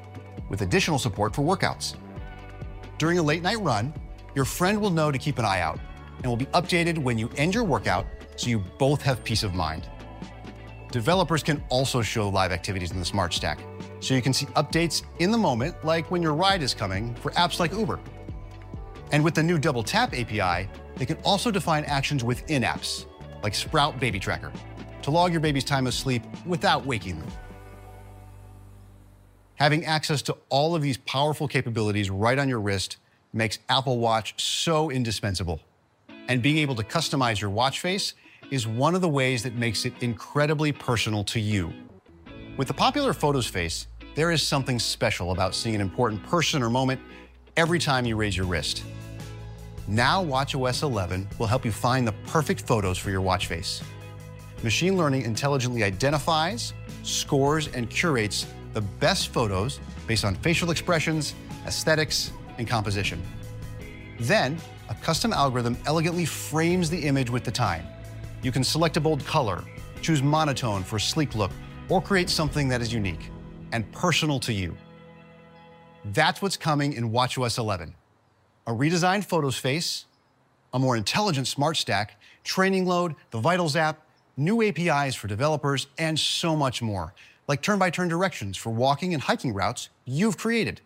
with additional support for workouts. During a late-night run, your friend will know to keep an eye out and will be updated when you end your workout, so you both have peace of mind. Developers can also show Live Activities in the Smart Stack, so you can see Updates in the moment, like when your ride is coming, for apps like Uber. And with the new Double Tap API, they can also define actions within apps, like Sprout Baby Tracker, to log your baby's time asleep without waking them. Having access to all of these powerful capabilities right on your wrist makes Apple Watch so indispensable. And being able to customize your watch face is one of the ways that makes it incredibly personal to you. With the popular Photos face, there is something special about seeing an important person or moment every time you raise your wrist. Now, watchOS 11 will help you find the perfect Photos for your watch face. Machine learning intelligently identifies, scores, and curates the best Photos based on facial expressions, aesthetics, and composition. Then, a custom algorithm elegantly frames the image with the time. You can select a bold color, choose monotone for a sleek look, or create something that is unique and personal to you. That's what's coming in watchOS 11: a redesigned Photos face, a more intelligent Smart Stack, Training Load, the Vitals app, new APIs for developers, and so much more, like turn-by-turn directions for walking and hiking routes you've created.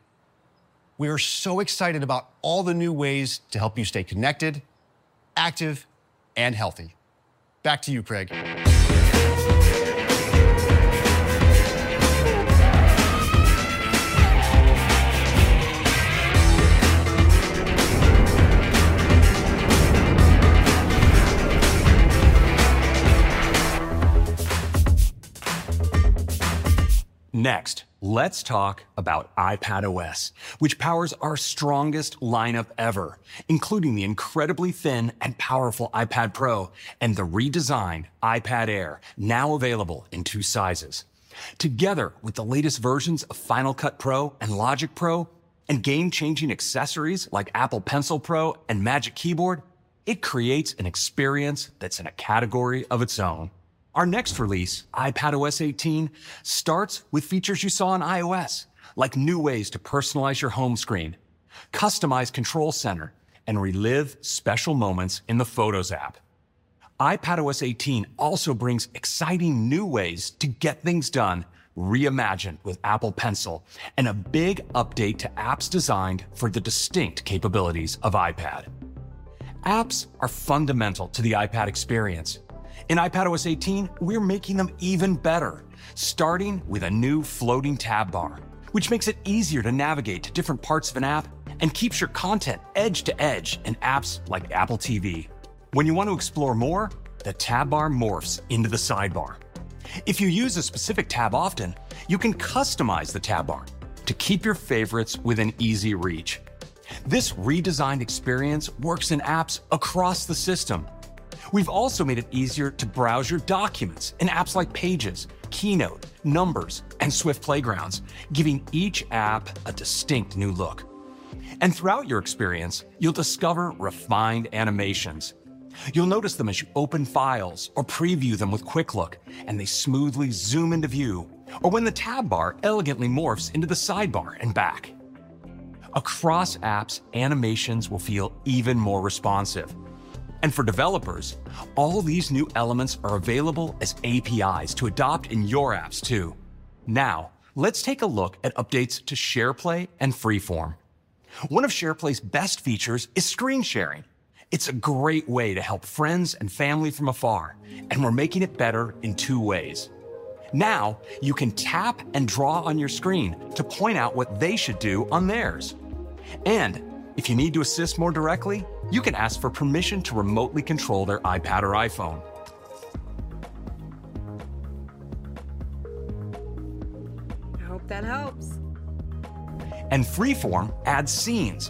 We are so excited about all the new ways to help you stay connected, active, and healthy. Back to you, Craig.
Next, let's talk about iPadOS, which powers our strongest lineup ever, including the incredibly thin and powerful iPad Pro and the redesigned iPad Air, now available in two sizes. Together with the latest versions of Final Cut Pro and Logic Pro, and game-changing accessories like Apple Pencil Pro and Magic Keyboard, it creates an experience that's in a category of its own. Our next release, iPadOS 18, starts with features you saw on iOS, like new ways to personalize your home screen, customize Control Center, and relive special moments in the Photos app. iPadOS 18 also brings exciting new ways to get things done, reimagined with Apple Pencil, and a big update to apps designed for the distinct capabilities of iPad. Apps are fundamental to the iPad experience. In iPadOS 18, we're making them even better, starting with a new floating tab bar, which makes it easier to navigate to different parts of an app and keeps your content edge to edge in apps like Apple TV. When you want to explore more, the tab bar morphs into the sidebar. If you use a specific tab often, you can customize the tab bar to keep your favorites within easy reach. This redesigned experience works in apps across the system. We've also made it easier to browse your documents in apps like Pages, Keynote, Numbers, and Swift Playgrounds, giving each app a distinct new look. Throughout your experience, you'll discover refined animations. You'll notice them as you open files or preview them with Quick Look, and they smoothly zoom into view, or when the tab bar elegantly morphs into the sidebar and back. Across apps, animations will feel even more responsive. For developers, all these new elements are available as APIs to adopt in your apps, too. Now, let's take a look at Updates to SharePlay and Freeform. One of SharePlay's best features is screen sharing. It's a great way to help friends and family from afar, and we're making it better in two ways. Now, you can tap and draw on your screen to point out what they should do on theirs. If you need to assist more directly, you can ask for permission to remotely control their iPad or iPhone. I hope that helps. Freeform adds Scenes,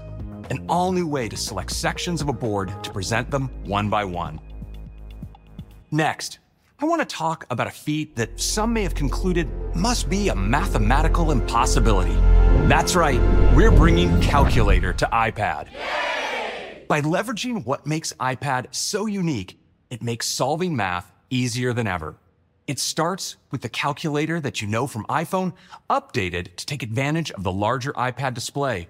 an all-new way to select sections of a board to present them one by one. Next, I want to talk about a feat that some may have concluded must be a mathematical impossibility. That's right, we're bringing Calculator to iPad. Yay!
By leveraging what makes iPad so unique, it makes solving math easier than ever. It starts with the calculator that you know from iPhone, updated to take advantage of the larger iPad display,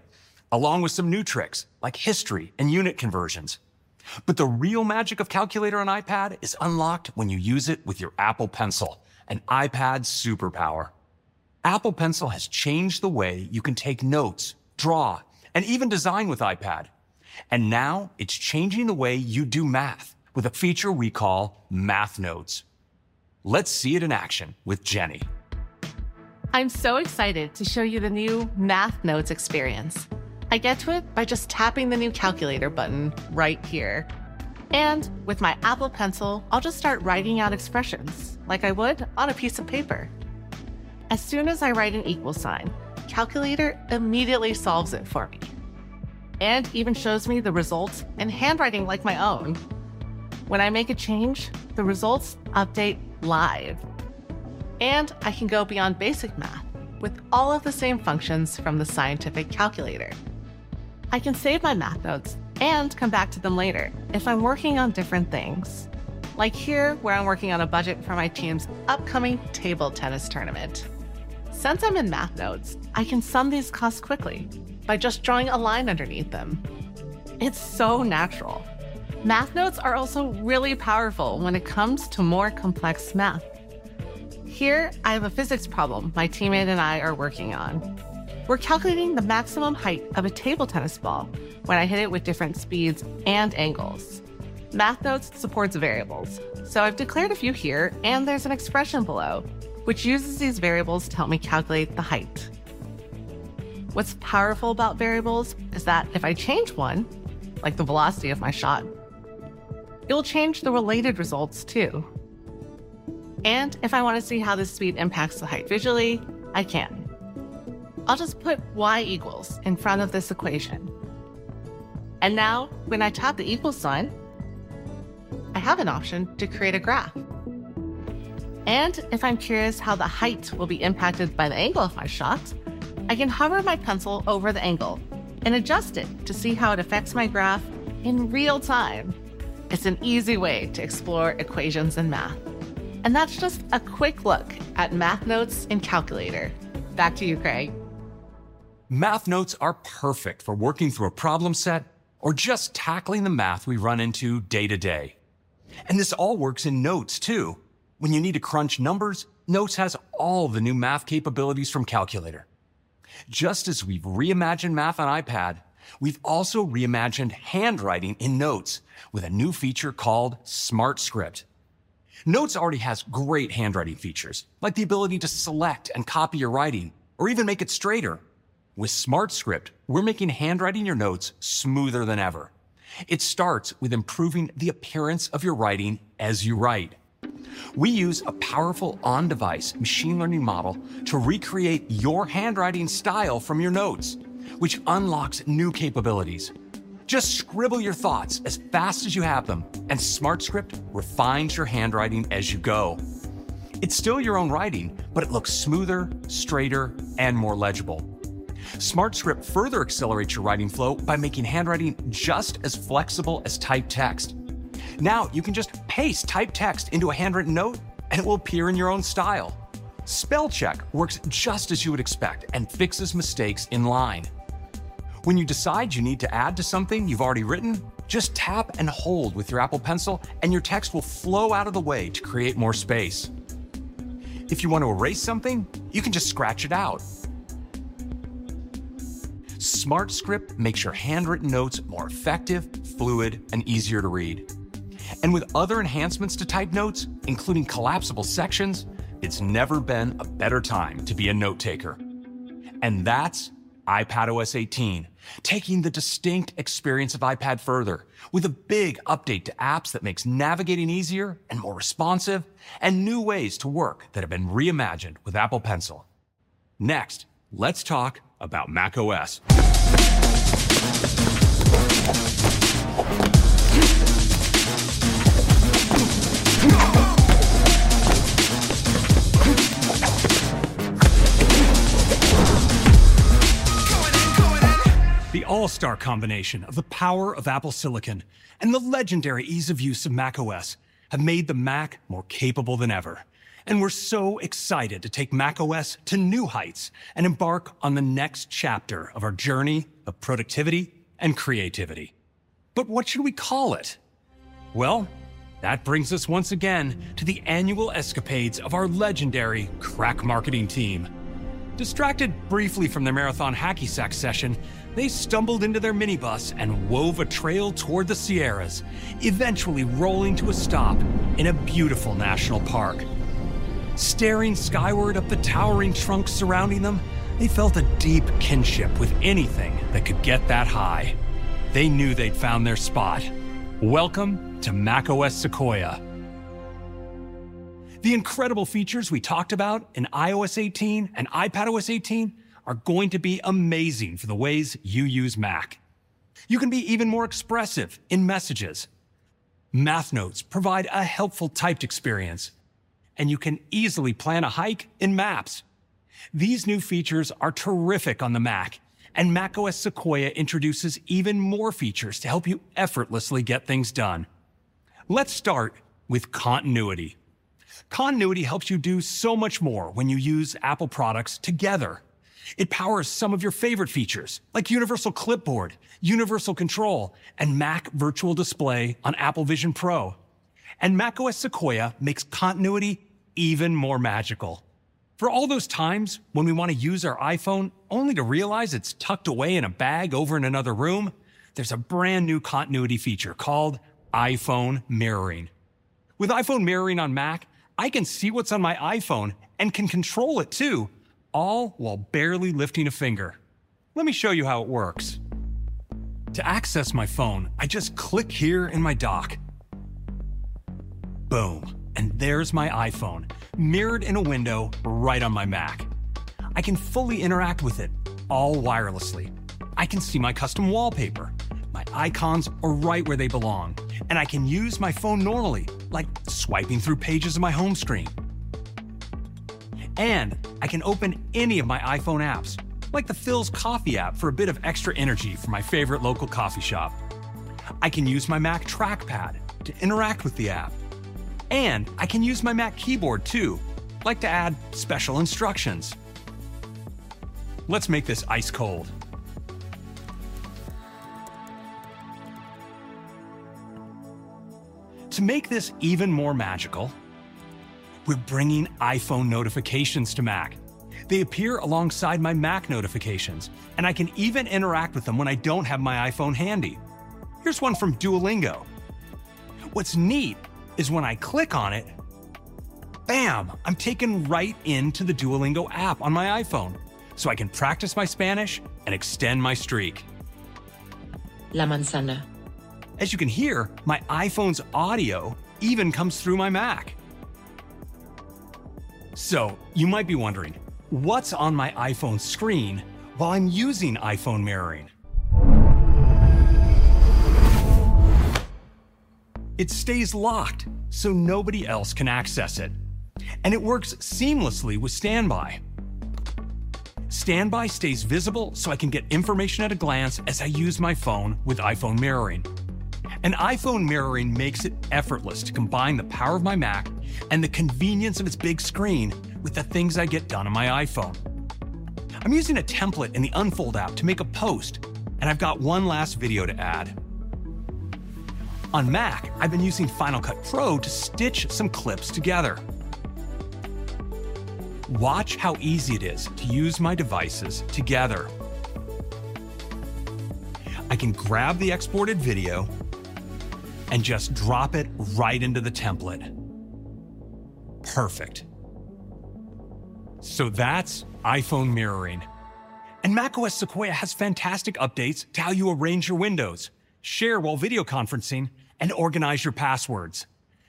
along with some new tricks, like history and unit conversions. But the real magic of Calculator on iPad is unlocked when you use it with your Apple Pencil, an iPad superpower. Apple Pencil has changed the way you can take notes, draw, and even design with iPad, and now it's changing the way you do math with a feature we call Math Notes. Let's see it in action with Jenny. I'm so excited to show you the new Math Notes experience. I get to it by just tapping the new Calculator button right here, and with my Apple Pencil, I'll just start writing out expressions like I would on a piece of paper. As soon as I write an equal sign, Calculator immediately solves it for me and even shows me the results in handwriting like my own. When I make a change, the results update live, and I can go beyond basic math with all of the same functions from the scientific calculator. I can save my Math Notes and come back to them later if I'm working on different things, like here, where I'm working on a budget for my team's upcoming table tennis tournament. Since I'm in Math Notes, I can sum these costs quickly by just drawing a line underneath them. It's so natural. Math Notes are also really powerful when it comes to more complex math. Here, I have a physics problem my teammate and I are working on. We're calculating the maximum height of a table tennis ball when I hit it with different speeds and angles. Math Notes supports variables, so I've declared a few here, and there's an expression below, which uses these variables to help me calculate the height. What's powerful about variables is that if I change one, like the velocity of my shot, it'll change the related results, too. And if I want to see how the speed impacts the height visually, I can. I'll just put y= in front of this equation, and now, when I tap the equals sign, I have an option to create a graph. If I'm curious how the height will be impacted by the angle of my shot, I can hover my pencil over the angle and adjust it to see how it affects my graph in real time. It's an easy way to explore equations in math. That's just a quick look at Math Notes in Calculator. Back to you, Craig.
Math Notes are perfect for working through a problem set or just tackling the math we run into day to day. This all works in Notes, too. When you need to crunch numbers, Notes has all the new math capabilities from Calculator. Just as we've reimagined math on iPad, we've also reimagined handwriting in Notes with a new feature called Smart Script. Notes already has great handwriting features, like the ability to select and copy your writing or even make it straighter. With Smart Script, we're making handwriting your notes smoother than ever. It starts with improving the appearance of your writing as you write. We use a powerful on-device machine learning model to recreate your handwriting style from your notes, which unlocks new capabilities. Just scribble your thoughts as fast as you have them, and Smart Script refines your handwriting as you go. It's still your own writing, but it looks smoother, straighter, and more legible. Smart Script further accelerates your writing flow by making handwriting just as flexible as typed text. Now, you can just paste typed text into a handwritten note, and it will appear in your own style. Spell check works just as you would expect and fixes mistakes in line. When you decide you need to add to something you've already written, just tap and hold with your Apple Pencil, and your text will flow out of the way to create more space. If you want to erase something, you can just scratch it out. Smart Script makes your handwritten notes more effective, fluid, and easier to read. With other enhancements to typed notes, including collapsible sections, it's never been a better time to be a note-taker. That's iPadOS 18, taking the distinct experience of iPad further, with a big update to apps that makes navigating easier and more responsive, and new ways to work that have been reimagined with Apple Pencil. Next, let's talk about macOS. The all-star combination of the power of Apple silicon and the legendary ease of use of macOS have made the Mac more capable than ever, and we're so excited to take macOS to new heights and embark on the next chapter of our journey of productivity and creativity. But what should we call it? Well, that brings us once again to the annual escapades of our legendary crack marketing team. Distracted briefly from their marathon hacky sack session, they stumbled into their minibus and wove a trail toward the Sierras, eventually rolling to a stop in a beautiful national park. Staring skyward up the towering trunks surrounding them, they felt a deep kinship with anything that could get that high. They knew they'd found their spot. Welcome to macOS Sequoia. The incredible features we talked about in iOS 18 and iPadOS 18 are going to be amazing for the ways you use Mac. You can be even more expressive in Messages. Math Notes provide a helpful typed experience, and you can easily plan a hike in Maps. These new features are terrific on the Mac, and macOS Sequoia introduces even more features to help you effortlessly get things done. Let's start with Continuity. Continuity helps you do so much more when you use Apple products together. It powers some of your favorite features, like Universal Clipboard, Universal Control, and Mac Virtual Display on Apple Vision Pro. macOS Sequoia makes Continuity even more magical. For all those times when we wanna use our iPhone, only to realize it's tucked away in a bag over in another room, there's a brand-new Continuity feature called iPhone Mirroring. With iPhone Mirroring on Mac, I can see what's on my iPhone and can control it, too, all while barely lifting a finger. Let me show you how it works. To access my phone, I just click here in my dock. Boom, and there's my iPhone, mirrored in a window right on my Mac. I can fully interact with it, all wirelessly. I can see my custom wallpaper. My icons are right where they belong, and I can use my phone normally, like swiping through pages of my home screen. I can open any of my iPhone apps, like the Philz Coffee app, for a bit of extra energy from my favorite local coffee shop. I can use my Magic Trackpad to interact with the app, and I can use my Magic Keyboard, too, like to add special instructions. Let's make this ice cold. To make this even more magical, we're bringing iPhone notifications to Mac. They appear alongside my Mac notifications, and I can even interact with them when I don't have my iPhone handy. Here's one from Duolingo. What's neat is, when I click on it, bam! I'm taken right into the Duolingo app on my iPhone, so I can practice my Spanish and extend my streak. La manzana. As you can hear, my iPhone's audio even comes through my Mac. So you might be wondering, what's on my iPhone screen while I'm using iPhone Mirroring? It stays locked, so nobody else can access it, and it works seamlessly with StandBy. StandBy stays visible, so I can get information at a glance as I use my phone with iPhone Mirroring. iPhone Mirroring makes it effortless to combine the power of my Mac and the convenience of its big screen with the things I get done on my iPhone. I'm using a template in the Unfold app to make a post, and I've got one last video to add. On Mac, I've been using Final Cut Pro to stitch some clips together. Watch how easy it is to use my devices together. I can grab the exported video and just drop it right into the template. Perfect. So that's iPhone Mirroring. macOS Sequoia has fantastic Updates to how you arrange your windows, share while video conferencing, and organize your passwords.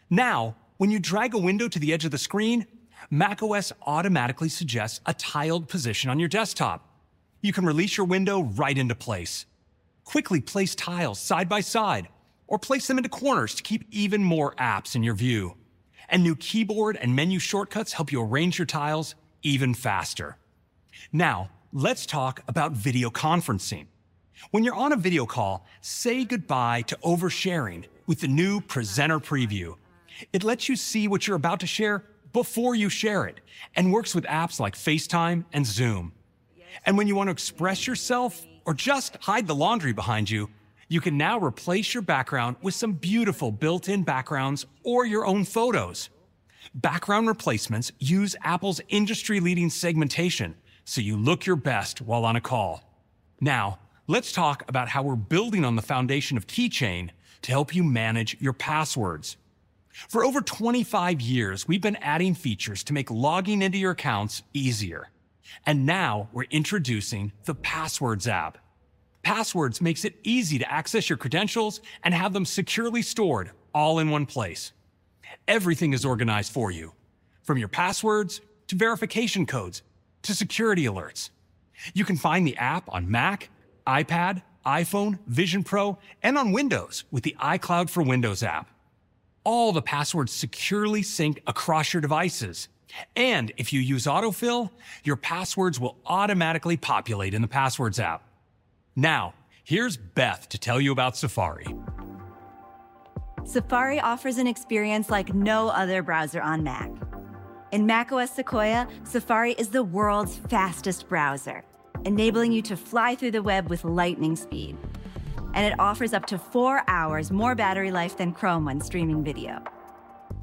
Now, when you drag a window to the edge of the screen, macOS automatically suggests a tiled position on your desktop. You can release your window right into place. Quickly place tiles side by side, or place them into corners to keep even more apps in your view. New keyboard and menu shortcuts help you arrange your tiles even faster. Now, let's talk about video conferencing. When you're on a video call, say goodbye to over-sharing with the new Presenter Preview. It lets you see what you're about to share before you share it, and works with apps like FaceTime and Zoom. When you want to express yourself or just hide the laundry behind you, you can now replace your background with some beautiful built-in backgrounds or your own Photos. Background replacements use Apple's industry-leading segmentation, so you look your best while on a call. Now, let's talk about how we're building on the foundation of Keychain to help you manage your passwords. For over 25 years, we've been adding features to make logging into your accounts easier, and now we're introducing the Passwords app. Passwords makes it easy to access your credentials and have them securely stored all in one place. Everything is organized for you, from your passwords, to verification codes, to security alerts. You can find the app on Mac, iPad, iPhone, Vision Pro, and on Windows with the iCloud for Windows app. All the passwords securely sync across your devices, and if you use Autofill, your passwords will automatically populate in the Passwords app. Now, here's Beth to tell you about Safari.
Safari offers an experience like no other browser on Mac. In macOS Sequoia, Safari is the world's fastest browser, enabling you to fly through the web with lightning speed, and it offers up to four hours more battery life than Chrome when streaming video.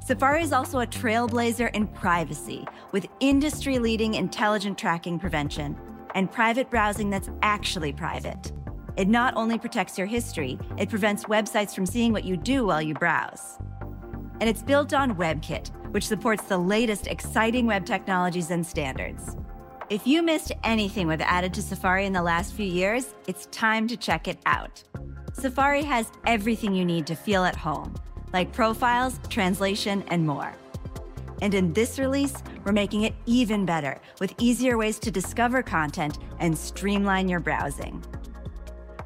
Safari is also a trailblazer in privacy, with industry-leading intelligent tracking prevention and private browsing that's actually private. It not only protects your history, it prevents websites from seeing what you do while you browse. It's built on WebKit, which supports the latest exciting web technologies and standards. If you missed anything we've added to Safari in the last few years, it's time to check it out. Safari has everything you need to feel at home, like profiles, translation, and more. In this release, we're making it even better, with easier ways to discover content and streamline your browsing.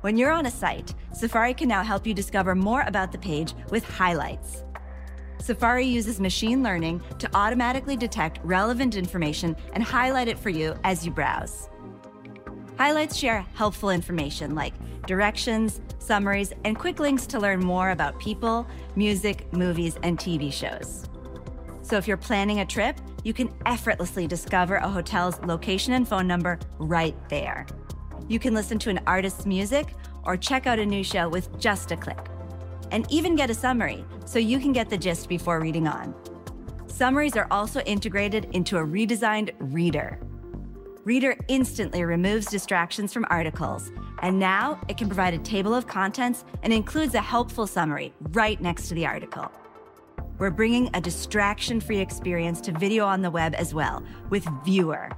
When you're on a site, Safari can now help you discover more about the page with Highlights. Safari uses machine learning to automatically detect relevant information and highlight it for you as you browse. Highlights share helpful information, like directions, summaries, and quick links to learn more about people, music, movies, and TV shows. So if you're planning a trip, you can effortlessly discover a hotel's location and phone number right there. You can listen to an artist's music or check out a new show with just a click, and even get a summary, so you can get the gist before reading on. Summaries are also integrated into a redesigned Reader. Reader instantly removes distractions from articles, and now it can provide a table of contents and includes a helpful summary right next to the article. We're bringing a distraction-free experience to video on the web as well with Viewer.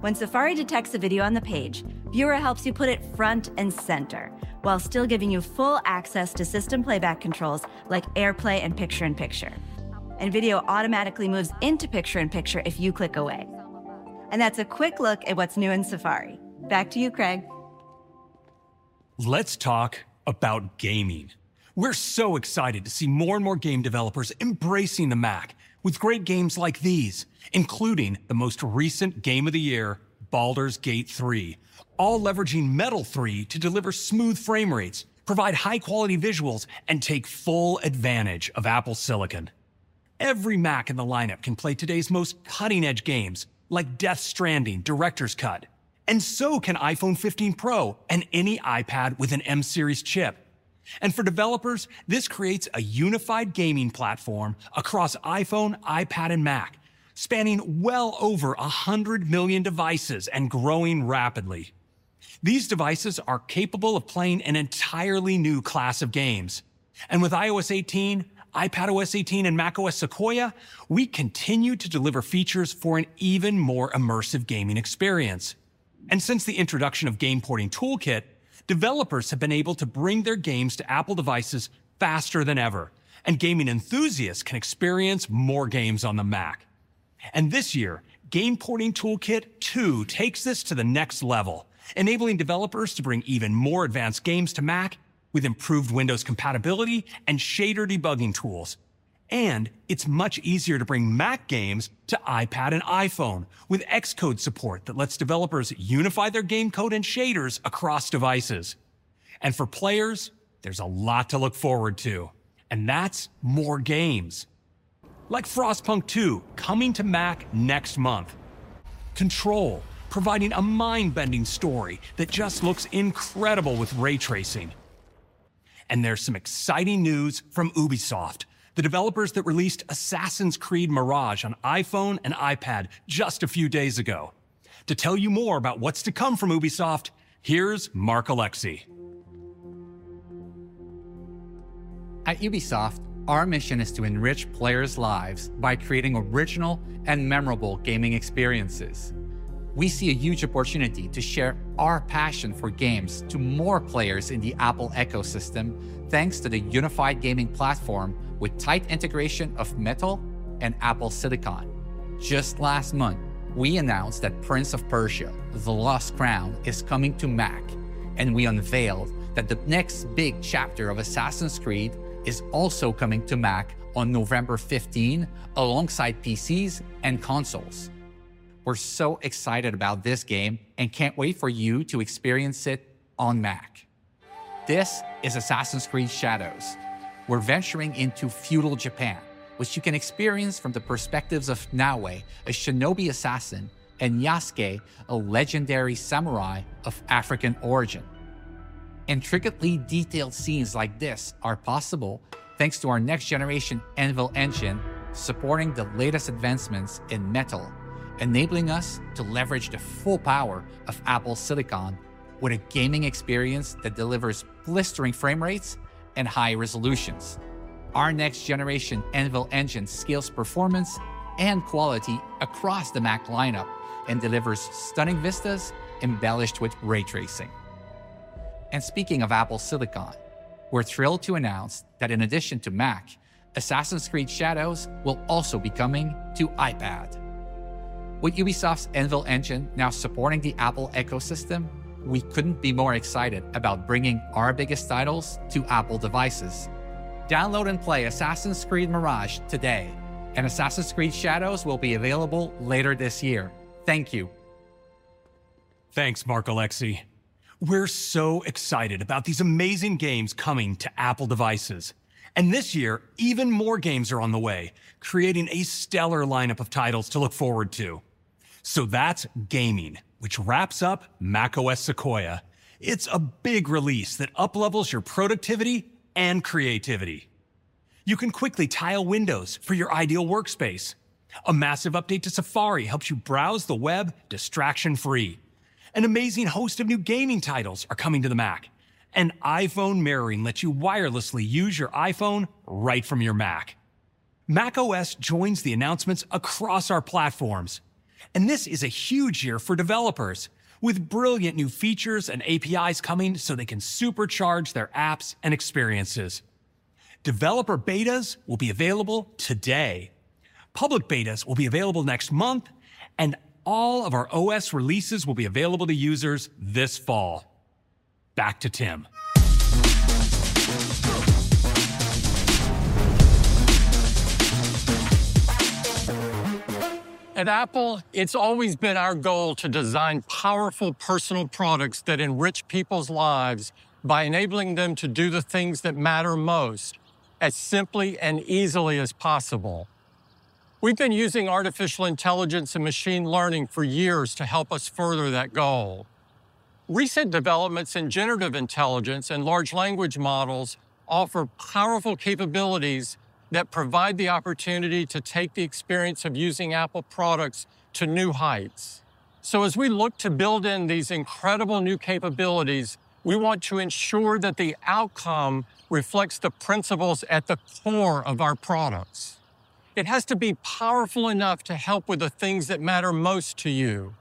When Safari detects a video on the page, Viewer helps you put it front and center, while still giving you full access to system playback controls, like AirPlay and Picture-in-Picture. Video automatically moves into Picture-in-Picture if you click away. That's a quick look at what's new in Safari. Back to you, Craig.
Let's talk about gaming. We're so excited to see more and more game developers embracing the Mac with great games like these, including the most recent game of the year, Baldur's Gate 3, all leveraging Metal 3 to deliver smooth frame rates, provide high-quality visuals, and take full advantage of Apple silicon. Every Mac in the lineup can play today's most cutting-edge games, like Death Stranding: Director's Cut, and so can iPhone 15 Pro and any iPad with an M-series chip. For developers, this creates a unified gaming platform across iPhone, iPad, and Mac, spanning well over 100 million devices and growing rapidly. These devices are capable of playing an entirely new class of games, and with iOS 18, iPadOS 18, and macOS Sequoia, we continue to deliver features for an even more immersive gaming experience. Since the introduction of Game Porting Toolkit, developers have been able to bring their games to Apple devices faster than ever, and gaming enthusiasts can experience more games on the Mac. This year, Game Porting Toolkit 2 takes this to the next level, enabling developers to bring even more advanced games to Mac, with improved Windows compatibility and shader debugging tools. It's much easier to bring Mac games to iPad and iPhone, with Xcode support that lets developers unify their game code and shaders across devices. For players, there's a lot to look forward to, and that's more games, like Frostpunk 2, coming to Mac next month. Control, providing a mind-bending story that just looks incredible with ray tracing. There's some exciting news from Ubisoft, the developers that released Assassin's Creed Mirage on iPhone and iPad just a few days ago. To tell you more about what's to come from Ubisoft, here's Marc-Alexis.
At Ubisoft, our mission is to enrich players' lives by creating original and memorable gaming experiences. We see a huge opportunity to share our passion for games to more players in the Apple ecosystem, thanks to the unified gaming platform, with tight integration of Metal and Apple silicon. Just last month, we announced that Prince of Persia: The Lost Crown is coming to Mac, and we unveiled that the next big chapter of Assassin's Creed is also coming to Mac on November 15, alongside PCs and consoles. We're so excited about this game and can't wait for you to experience it on Mac. This is Assassin's Creed: Shadows. We're venturing into feudal Japan, which you can experience from the perspectives of Naoe, a shinobi assassin, and Yasuke, a legendary samurai of African origin. Intricately detailed Scenes like this are possible thanks to our next-generation Anvil Engine, supporting the latest advancements in Metal, enabling us to leverage the full power of Apple silicon with a gaming experience that delivers blistering frame rates and high resolutions. Our next-generation Anvil Engine scales performance and quality across the Mac lineup and delivers stunning vistas embellished with ray tracing. And speaking of Apple silicon, we're thrilled to announce that in addition to Mac, Assassin's Creed: Shadows will also be coming to iPad. With Ubisoft's Anvil Engine now supporting the Apple ecosystem, we couldn't be more excited about bringing our biggest titles to Apple devices. Download and play Assassin's Creed Mirage today, and Assassin's Creed: Shadows will be available later this year. Thank you.
Thanks, Marc-Alexis. We're so excited about these amazing games coming to Apple devices, and this year, even more games are on the way, creating a stellar lineup of titles to look forward to. So that's gaming, which wraps up macOS Sequoia. It's a big release that up-levels your productivity and creativity. You can quickly tile windows for your ideal workspace. A massive update to Safari helps you browse the web distraction-free. An amazing host of new gaming titles are coming to the Mac, and iPhone mirroring lets you wirelessly use your iPhone right from your Mac. macOS joins the announcements across our platforms, and this is a huge year for developers, with brilliant new features and APIs coming so they can supercharge their apps and experiences. Developer betas will be available today. Public betas will be available next month, and all of our OS releases will be available to users this fall. Back to Tim.
At Apple, it's always been our goal to design powerful personal products that enrich people's lives by enabling them to do the things that matter most, as simply and easily as possible. We've been using artificial intelligence and machine learning for years to help us further that goal. Recent developments in generative intelligence and large language models offer powerful capabilities that provide the opportunity to take the experience of using Apple products to new heights. So as we look to build in these incredible new capabilities, we want to ensure that the outcome reflects the principles at the core of our products. It has to be powerful enough to help with the things that matter most to you.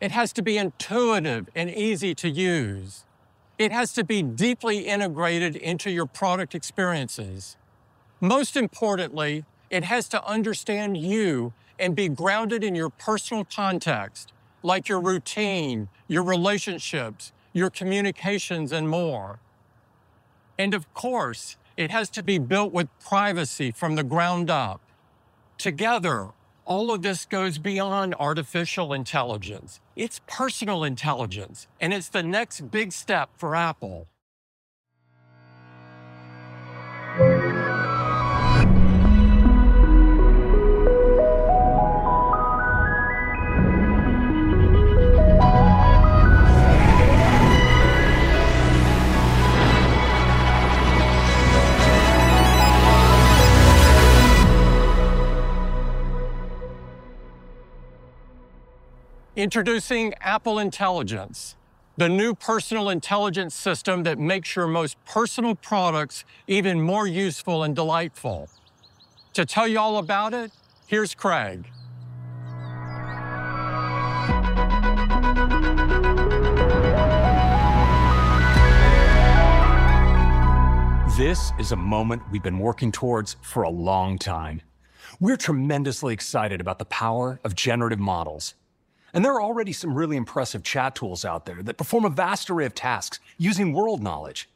It has to be intuitive and easy to use. It has to be deeply integrated into your product experiences. Most importantly, it has to understand you and be grounded in your personal context, like your routine, your relationships, your communications, and more. Of course, it has to be built with privacy from the ground up. Together, all of this goes beyond artificial intelligence. It's personal intelligence, and it's the next big step for Apple. Introducing Apple Intelligence, the new personal intelligence system that makes your most personal products even more useful and delightful. To tell you all about it, here's Craig.
This is a moment we've been working towards for a long time. We're tremendously excited about the power of generative models, and there are already some really impressive chat tools out there that perform a vast array of tasks using world knowledge.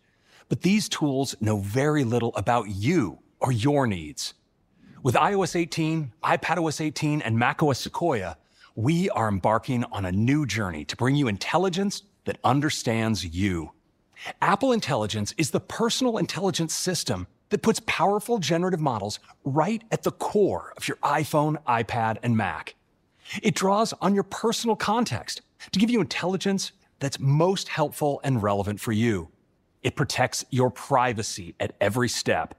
But these tools know very little about you or your needs. With iOS 18, iPadOS 18, and macOS Sequoia, we are embarking on a new journey to bring you intelligence that understands you. Apple Intelligence is the personal intelligence system that puts powerful generative models right at the core of your iPhone, iPad, and Mac. It draws on your personal context to give you intelligence that's most helpful and relevant for you. It protects your privacy at every step,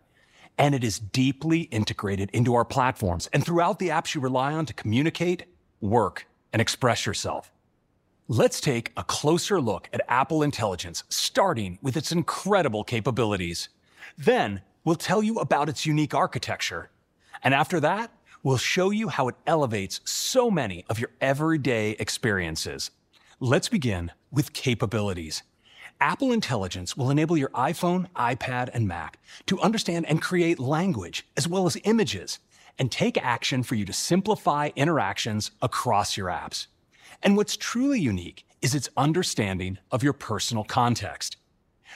and it is deeply integrated into our platforms and throughout the apps you rely on to communicate, work, and express yourself. Let's take a closer look at Apple Intelligence, starting with its incredible capabilities. Then, we'll tell you about its unique architecture, and after that, we'll show you how it elevates so many of your everyday experiences. Let's begin with capabilities. Apple Intelligence will enable your iPhone, iPad, and Mac to understand and create language as well as images, and take action for you to simplify interactions across your apps. And what's truly unique is its understanding of your personal context.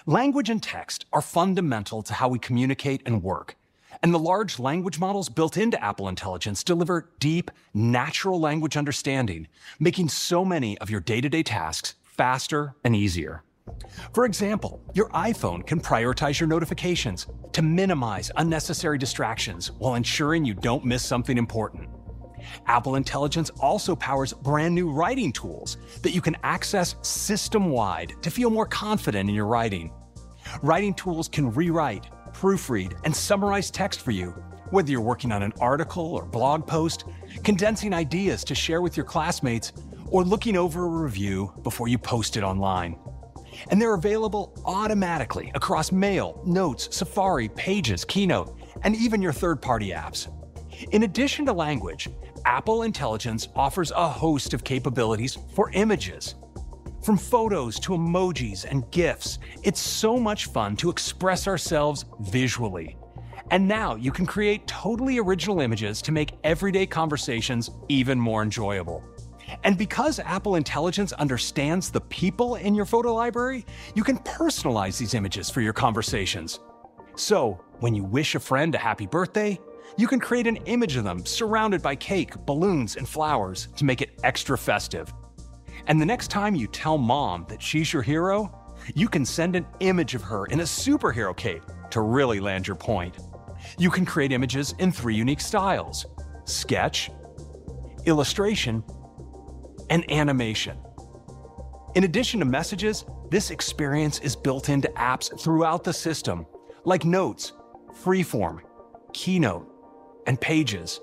Language and text are fundamental to how we communicate and work, and the large language models built into Apple Intelligence deliver deep, natural language understanding, making so many of your day-to-day tasks faster and easier. For example, your iPhone can prioritize your notifications to minimize unnecessary distractions while ensuring you don't miss something important. Apple Intelligence also powers brand-new Writing Tools that you can access system-wide to feel more confident in your writing. Writing tools can rewrite, proofread, and summarize text for you, whether you're working on an article or blog post, condensing ideas to share with your classmates, or looking over a review before you post it online. And they're available automatically across Mail, Notes, Safari, Pages, Keynote, and even your third-party apps. In addition to language, Apple Intelligence offers a host of capabilities for images. From Photos to emojis and GIFs, it's so much fun to express ourselves visually. And now you can create totally original images to make everyday conversations even more enjoyable. And because Apple Intelligence understands the people in your photo library, you can personalize these images for your conversations. So when you wish a friend a happy birthday, you can create an image of them surrounded by cake, balloons, and flowers to make it extra festive. And the next time you tell Mom that she's your hero, you can send an image of her in a superhero cape to really land your point. You can create images in three unique styles: sketch, illustration, and animation. In addition to Messages, this experience is built into apps throughout the system, like Notes, Freeform, Keynote, and Pages.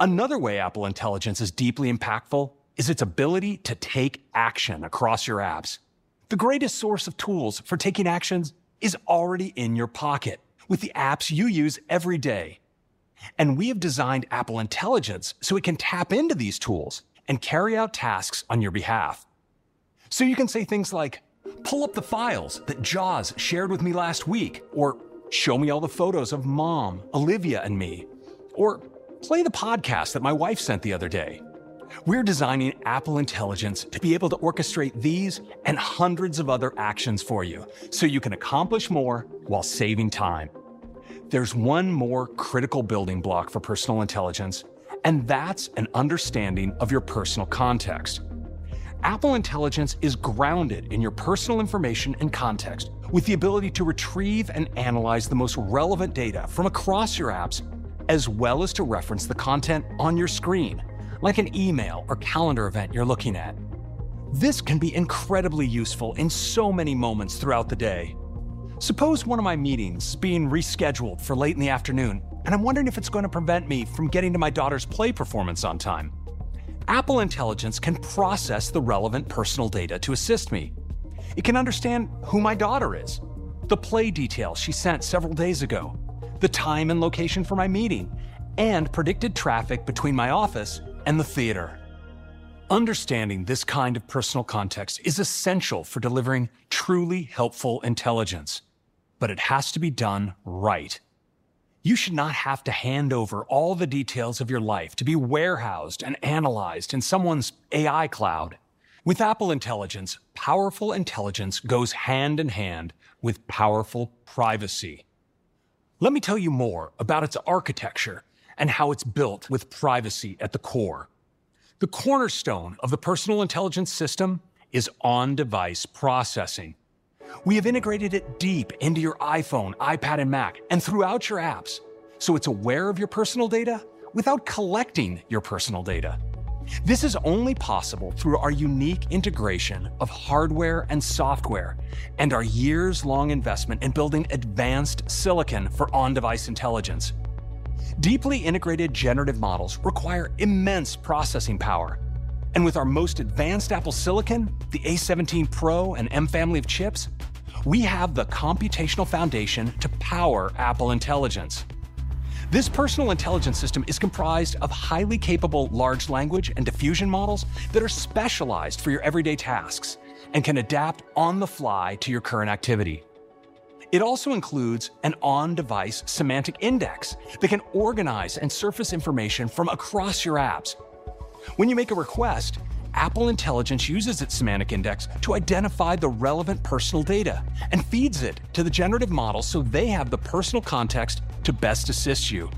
Another way Apple Intelligence is deeply impactful is its ability to take action across your apps. The greatest source of tools for taking actions is already in your pocket with the apps you use every day, and we have designed Apple Intelligence so it can tap into these tools and carry out tasks on your behalf. So you can say things like, "Pull up the files that Joz shared with me last week," or, "Show me all the Photos of Mom, Olivia, and me," or, "Play the podcast that my wife sent the other day." We're designing Apple Intelligence to be able to orchestrate these and hundreds of other actions for you, so you can accomplish more while saving time. There's one more critical building block for personal intelligence, and that's an understanding of your personal context. Apple Intelligence is grounded in your personal information and context, with the ability to retrieve and analyze the most relevant data from across your apps, as well as to reference the content on your screen, like an email or calendar event you're looking at. This can be incredibly useful in so many moments throughout the day. Suppose one of my meetings is being rescheduled for late in the afternoon, and I'm wondering if it's going to prevent me from getting to my daughter's play performance on time. Apple Intelligence can process the relevant personal data to assist me. It can understand who my daughter is, the play details she sent several days ago, the time and location for my meeting, and predicted traffic between my office and the theater. Understanding this kind of personal context is essential for delivering truly helpful intelligence, but it has to be done right. You should not have to hand over all the details of your life to be warehoused and analyzed in someone's AI cloud. With Apple Intelligence, powerful intelligence goes hand in hand with powerful privacy. Let me tell you more about its architecture and how it's built with privacy at the core. The cornerstone of the personal intelligence system is on-device processing. We have integrated it deep into your iPhone, iPad, and Mac, and throughout your apps, so it's aware of your personal data without collecting your personal data. This is only possible through our unique integration of hardware and software and our years-long investment in building advanced silicon for on-device intelligence. Deeply integrated generative models require immense processing power, and with our most advanced Apple silicon, the A17 Pro and M family of chips, we have the computational foundation to power Apple Intelligence. This personal intelligence system is comprised of highly capable large language and diffusion models that are specialized for your everyday tasks and can adapt on the fly to your current activity. It also includes an on-device semantic index that can organize and surface information from across your apps. When you make a request, Apple Intelligence uses its semantic index to identify the relevant personal data and feeds it to the generative model so they have the personal context to best assist you.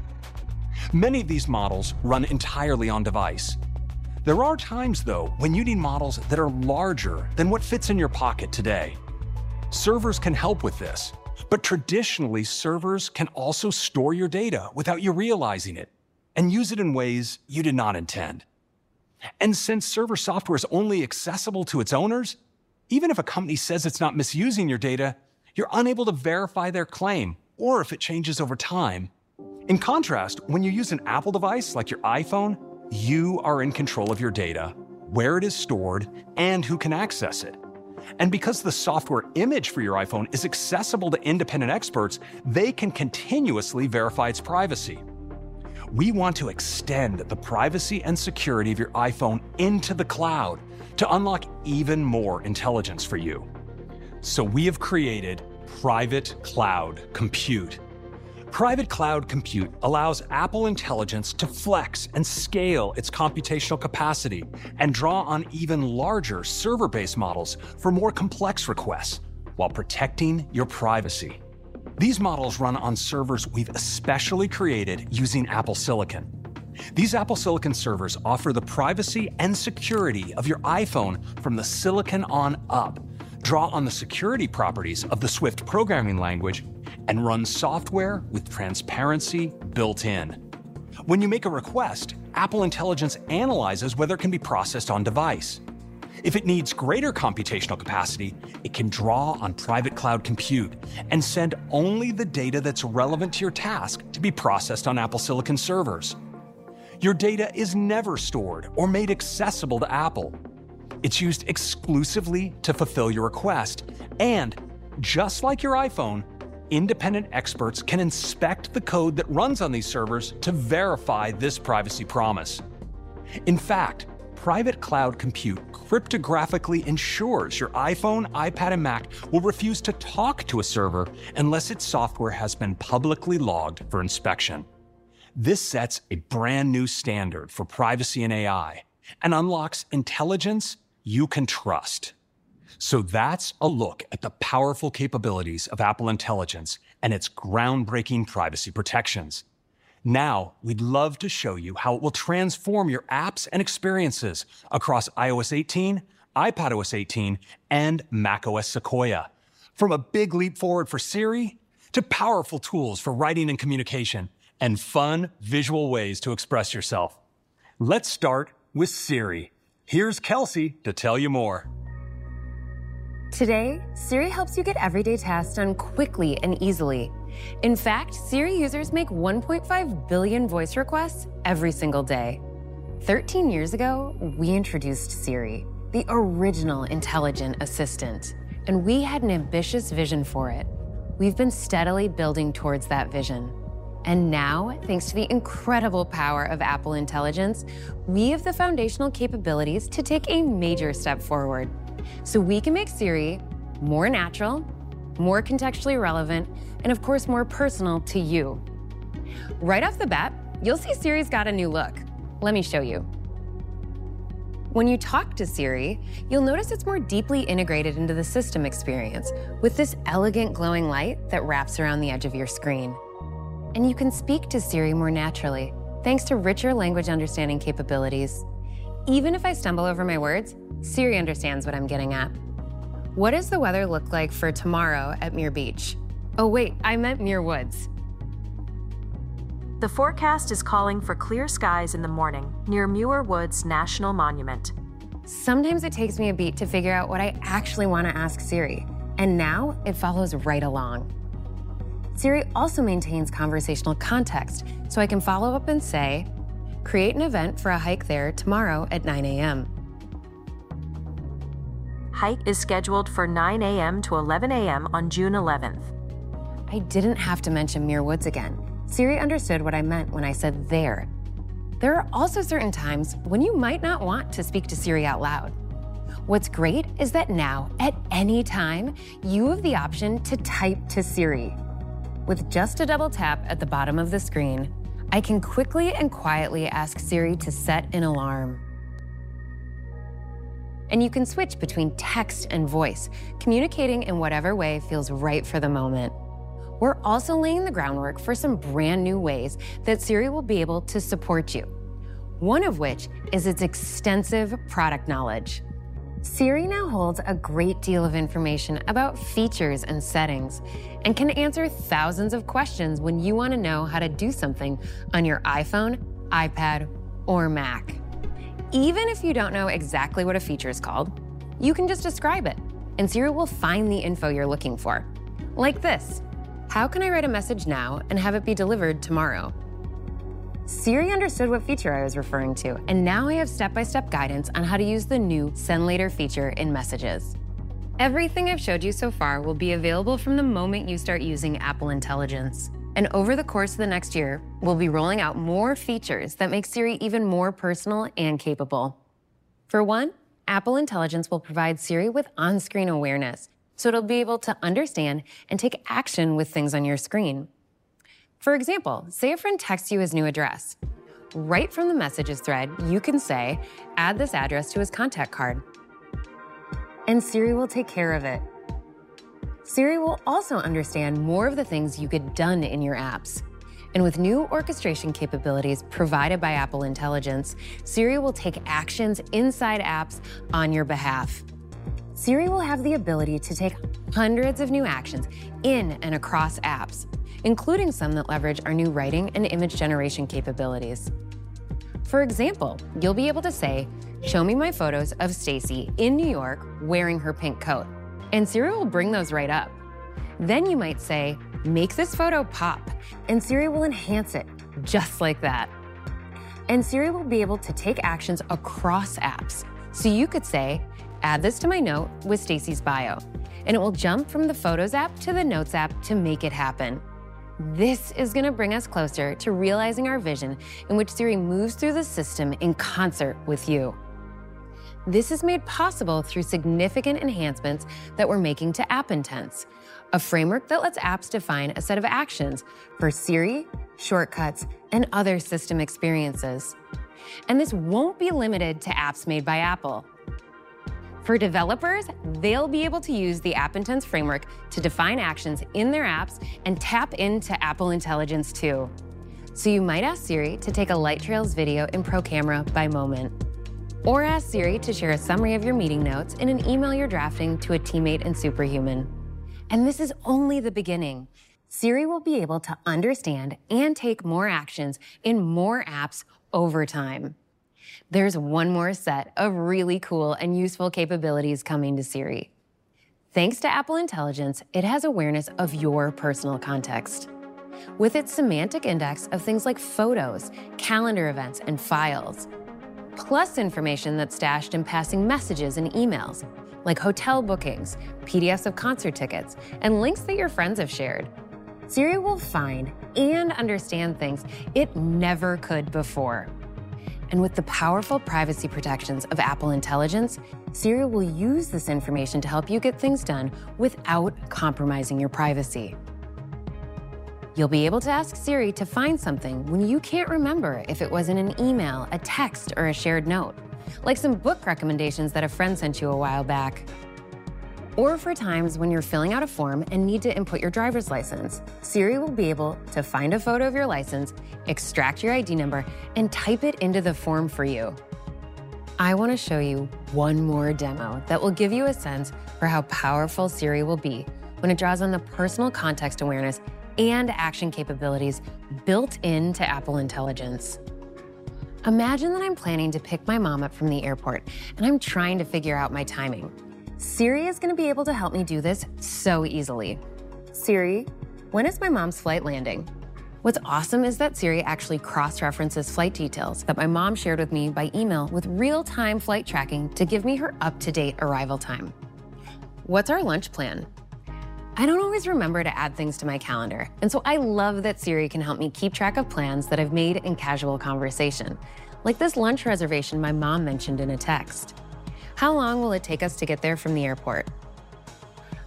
Many of these models run entirely on-device. There are times, though, when you need models that are larger than what fits in your pocket today. Servers can help with this, but traditionally, servers can also store your data without you realizing it and use it in ways you did not intend. And since server software is only accessible to its owners, even if a company says it's not misusing your data, you're unable to verify their claim or if it changes over time. In contrast, when you use an Apple device like your iPhone, you are in control of your data, where it is stored, and who can access it. Because the software image for your iPhone is accessible to independent experts, they can continuously verify its privacy. We want to extend the privacy and security of your iPhone into the cloud to unlock even more intelligence for you, so we have created Private Cloud Compute. Private Cloud Compute allows Apple Intelligence to flex and scale its computational capacity and draw on even larger server-based models for more complex requests while protecting your privacy. These models run on servers we've especially created using Apple silicon. These Apple silicon servers offer the privacy and security of your iPhone from the silicon on up, draw on the security properties of the Swift programming language, and run software with transparency built in. When you make a request, Apple Intelligence analyzes whether it can be processed on-device. If it needs greater computational capacity, it can draw on Private Cloud Compute and send only the data that's relevant to your task to be processed on Apple silicon servers. Your data is never stored or made accessible to Apple. It's used exclusively to fulfill your request. And just like your iPhone, independent experts can inspect the code that runs on these servers to verify this privacy promise. In fact, Private Cloud Compute cryptographically ensures your iPhone, iPad, and Mac will refuse to talk to a server unless its software has been publicly logged for inspection. This sets a brand-new standard for privacy and AI and unlocks intelligence you can trust. So that's a look at the powerful capabilities of Apple Intelligence and its groundbreaking privacy protections. Now, we'd love to show you how it will transform your apps and experiences across iOS 18, iPadOS 18, and macOS Sequoia. From a big leap forward for Siri to powerful tools for writing and communication and fun visual ways to express yourself. Let's start with Siri. Here's Kelsey to tell you more.
Today, Siri helps you get everyday tasks done quickly and easily. In fact, Siri users make 1.5 billion voice requests every single day. 13 years ago, we introduced Siri, the original intelligent assistant, and we had an ambitious vision for it. We've been steadily building towards that vision, and now, thanks to the incredible power of Apple Intelligence, we have the foundational capabilities to take a major step forward so we can make Siri more natural, more contextually relevant, and of course, more personal to you. Right off the bat, you'll see Siri's got a new look. Let me show you. When you talk to Siri, you'll notice it's more deeply integrated into the system experience with this elegant, glowing light that wraps around the edge of your screen. You can speak to Siri more naturally, thanks to richer language understanding capabilities. Even if I stumble over my words, Siri understands what I'm getting at. What does the weather look like for tomorrow at Muir Beach? Oh, wait, I meant Muir Woods. The forecast is calling for clear skies in the morning near Muir Woods National Monument. Sometimes it takes me a beat to figure out what I actually wanna ask Siri, and now it follows right along. Siri also maintains conversational context, so I can follow up and say, "Create an event for a hike there tomorrow at 9:00 A.M. Hike is scheduled for 9:00 A.M. to 11:00 A.M. on June 11th. I didn't have to mention Muir Woods again. Siri understood what I meant when I said there. There are also certain times when you might not want to speak to Siri out loud. What's great is that now, at any time, you have the option to type to Siri. With just a double tap at the bottom of the screen, I can quickly and quietly ask Siri to set an alarm. And you can switch between text and voice, communicating in whatever way feels right for the moment. We're also laying the groundwork for some brand-new ways that Siri will be able to support you, one of which is its extensive product knowledge. Siri now holds a great deal of information about features and settings and can answer thousands of questions when you wanna know how to do something on your iPhone, iPad, or Mac. Even if you don't know exactly what a feature is called, you can just describe it, and Siri will find the info you're looking for. Like this: how can I write a message now and have it be delivered tomorrow? Siri understood what feature I was referring to, and now I have step-by-step guidance on how to use the new Send Later feature in Messages. Everything I've showed you so far will be available from the moment you start using Apple Intelligence, and over the course of the next year, we'll be rolling out more features that make Siri even more personal and capable. For one, Apple Intelligence will provide Siri with on-screen awareness, so it'll be able to understand and take action with things on your screen. For example, say a friend texts you his new address. Right from the Messages thread, you can say, "Add this address to his contact card," and Siri will take care of it. Siri will also understand more of the things you get done in your apps, and with new orchestration capabilities provided by Apple Intelligence, Siri will take actions inside apps on your behalf. Siri will have the ability to take hundreds of new actions in and across apps, including some that leverage our new writing and image generation capabilities. For example, you'll be able to say, "Show me my Photos of Stacey in New York wearing her pink coat," and Siri will bring those right up. Then you might say, "Make this photo pop," and Siri will enhance it just like that. And Siri will be able to take actions across apps. So you could say, "Add this to my note with Stacey's bio," and it will jump from the Photos app to the Notes app to make it happen. This is gonna bring us closer to realizing our vision in which Siri moves through the system in concert with you. This is made possible through significant enhancements that we're making to App Intents, a framework that lets apps define a set of actions for Siri, Shortcuts, and other system experiences, and this won't be limited to apps made by Apple. For developers, they'll be able to use the App Intents framework to define actions in their apps and tap into Apple Intelligence, too. So you might ask Siri to take a light trails video in ProCamera by Moment, or ask Siri to share a summary of your meeting notes in an email you're drafting to a teammate in Superhuman. This is only the beginning. Siri will be able to understand and take more actions in more apps over time. There's one more set of really cool and useful capabilities coming to Siri. Thanks to Apple Intelligence, it has awareness of your personal context. With its semantic index of things like Photos, calendar events, and files, plus information that's stashed in passing Messages and emails, like hotel bookings, PDFs of concert tickets, and links that your friends have shared, Siri will find and understand things it never could before. With the powerful privacy protections of Apple Intelligence, Siri will use this information to help you get things done without compromising your privacy. You'll be able to ask Siri to find something when you can't remember if it was in an email, a text, or a shared note, like some book recommendations that a friend sent you a while back. Or for times when you're filling out a form and need to input your driver's license, Siri will be able to find a photo of your license, extract your ID number, and type it into the form for you. I wanna show you one more demo that will give you a sense for how powerful Siri will be when it draws on the personal context awareness and action capabilities built into Apple Intelligence... Imagine that I'm planning to pick my mom up from the airport, and I'm trying to figure out my timing. Siri is gonna be able to help me do this so easily. Siri, when is my mom's flight landing? What's awesome is that Siri actually cross-references flight details that my mom shared with me by email with real-time flight tracking to give me her up-to-date arrival time. What's our lunch plan? I don't always remember to add things to my calendar, and so I love that Siri can help me keep track of plans that I've made in casual conversation, like this lunch reservation my mom mentioned in a text. How long will it take us to get there from the airport?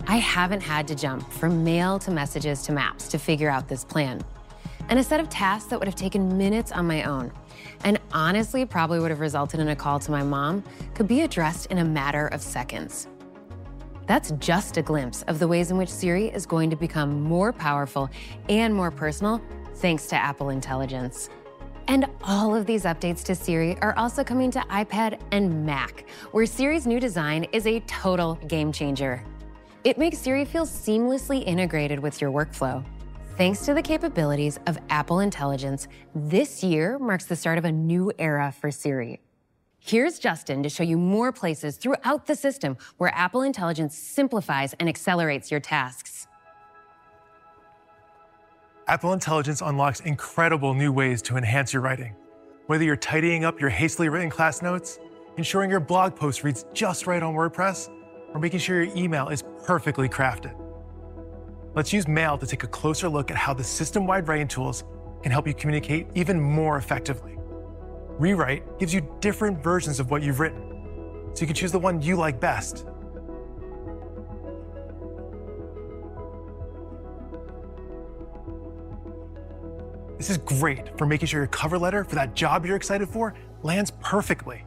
I haven't had to jump from Mail to Messages to Maps to figure out this plan. A set of tasks that would have taken minutes on my own, and honestly, probably would've resulted in a call to my mom, could be addressed in a matter of seconds. That's just a glimpse of the ways in which Siri is going to become more powerful and more personal, thanks to Apple Intelligence. All of these Updates to Siri are also coming to iPad and Mac, where Siri's new design is a total game changer. It makes Siri feel seamlessly integrated with your workflow. Thanks to the capabilities of Apple Intelligence, this year marks the start of a new era for Siri. Here's Justin to show you more places throughout the system where Apple Intelligence simplifies and accelerates your tasks.
Apple Intelligence unlocks incredible new ways to enhance your writing, whether you're tidying up your hastily written class notes, ensuring your blog post reads just right on WordPress, or making sure your email is perfectly crafted. Let's use Mail to take a closer look at how the system-wide Writing Tools can help you communicate even more effectively. Rewrite gives you different versions of what you've written, so you can choose the one you like best. This is great for making sure your cover letter for that job you're excited for lands perfectly.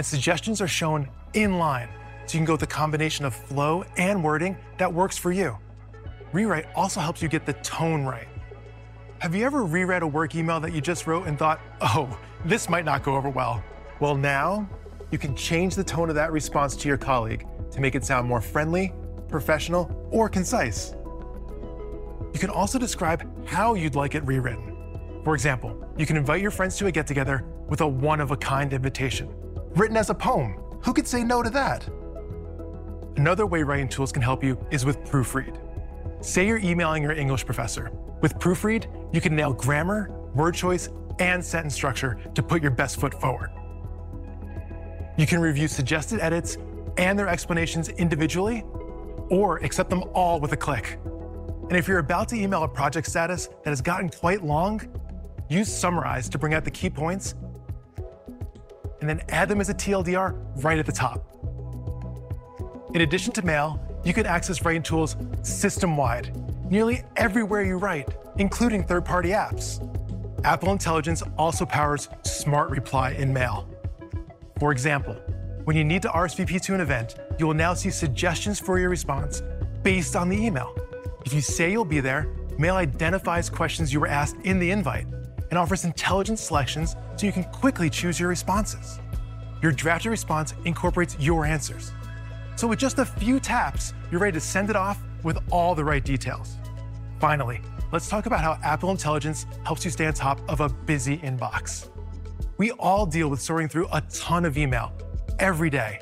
Suggestions are shown in line, so you can go with the combination of flow and wording that works for you. Rewrite also helps you get the tone right. Have you ever reread a work email that you just wrote and thought, "Oh, this might not go over well"? Well, now, you can change the tone of that response to your colleague to make it sound more friendly, professional, or concise. You can also describe how you'd like it rewritten. For example, you can invite your friends to a get-together with a one-of-a-kind invitation written as a poem. Who could say no to that? Another way writing tools can help you is with Proofread. Say you're emailing your English professor. With Proofread, you can nail grammar, word choice, and sentence structure to put your best foot forward. You can review suggested edits and their explanations individually, or accept them all with a click. If you're about to email a project status that has gotten quite long, use Summarize to bring out the key points, and then add them as a tl;dr right at the top. In addition to Mail, you can access Writing Tools system-wide, nearly everywhere you write, including third-party apps. Apple Intelligence also powers Smart Reply in Mail. For example, when you need to RSVP to an event, you will now see suggestions for your response based on the email. If you say you'll be there, Mail identifies questions you were asked in the invite and offers intelligent selections, so you can quickly choose your responses. Your drafted response incorporates your answers. So with just a few taps, you're ready to send it off with all the right details. Finally, let's talk about how Apple Intelligence helps you stay on top of a busy inbox. We all deal with sorting through a ton of email every day,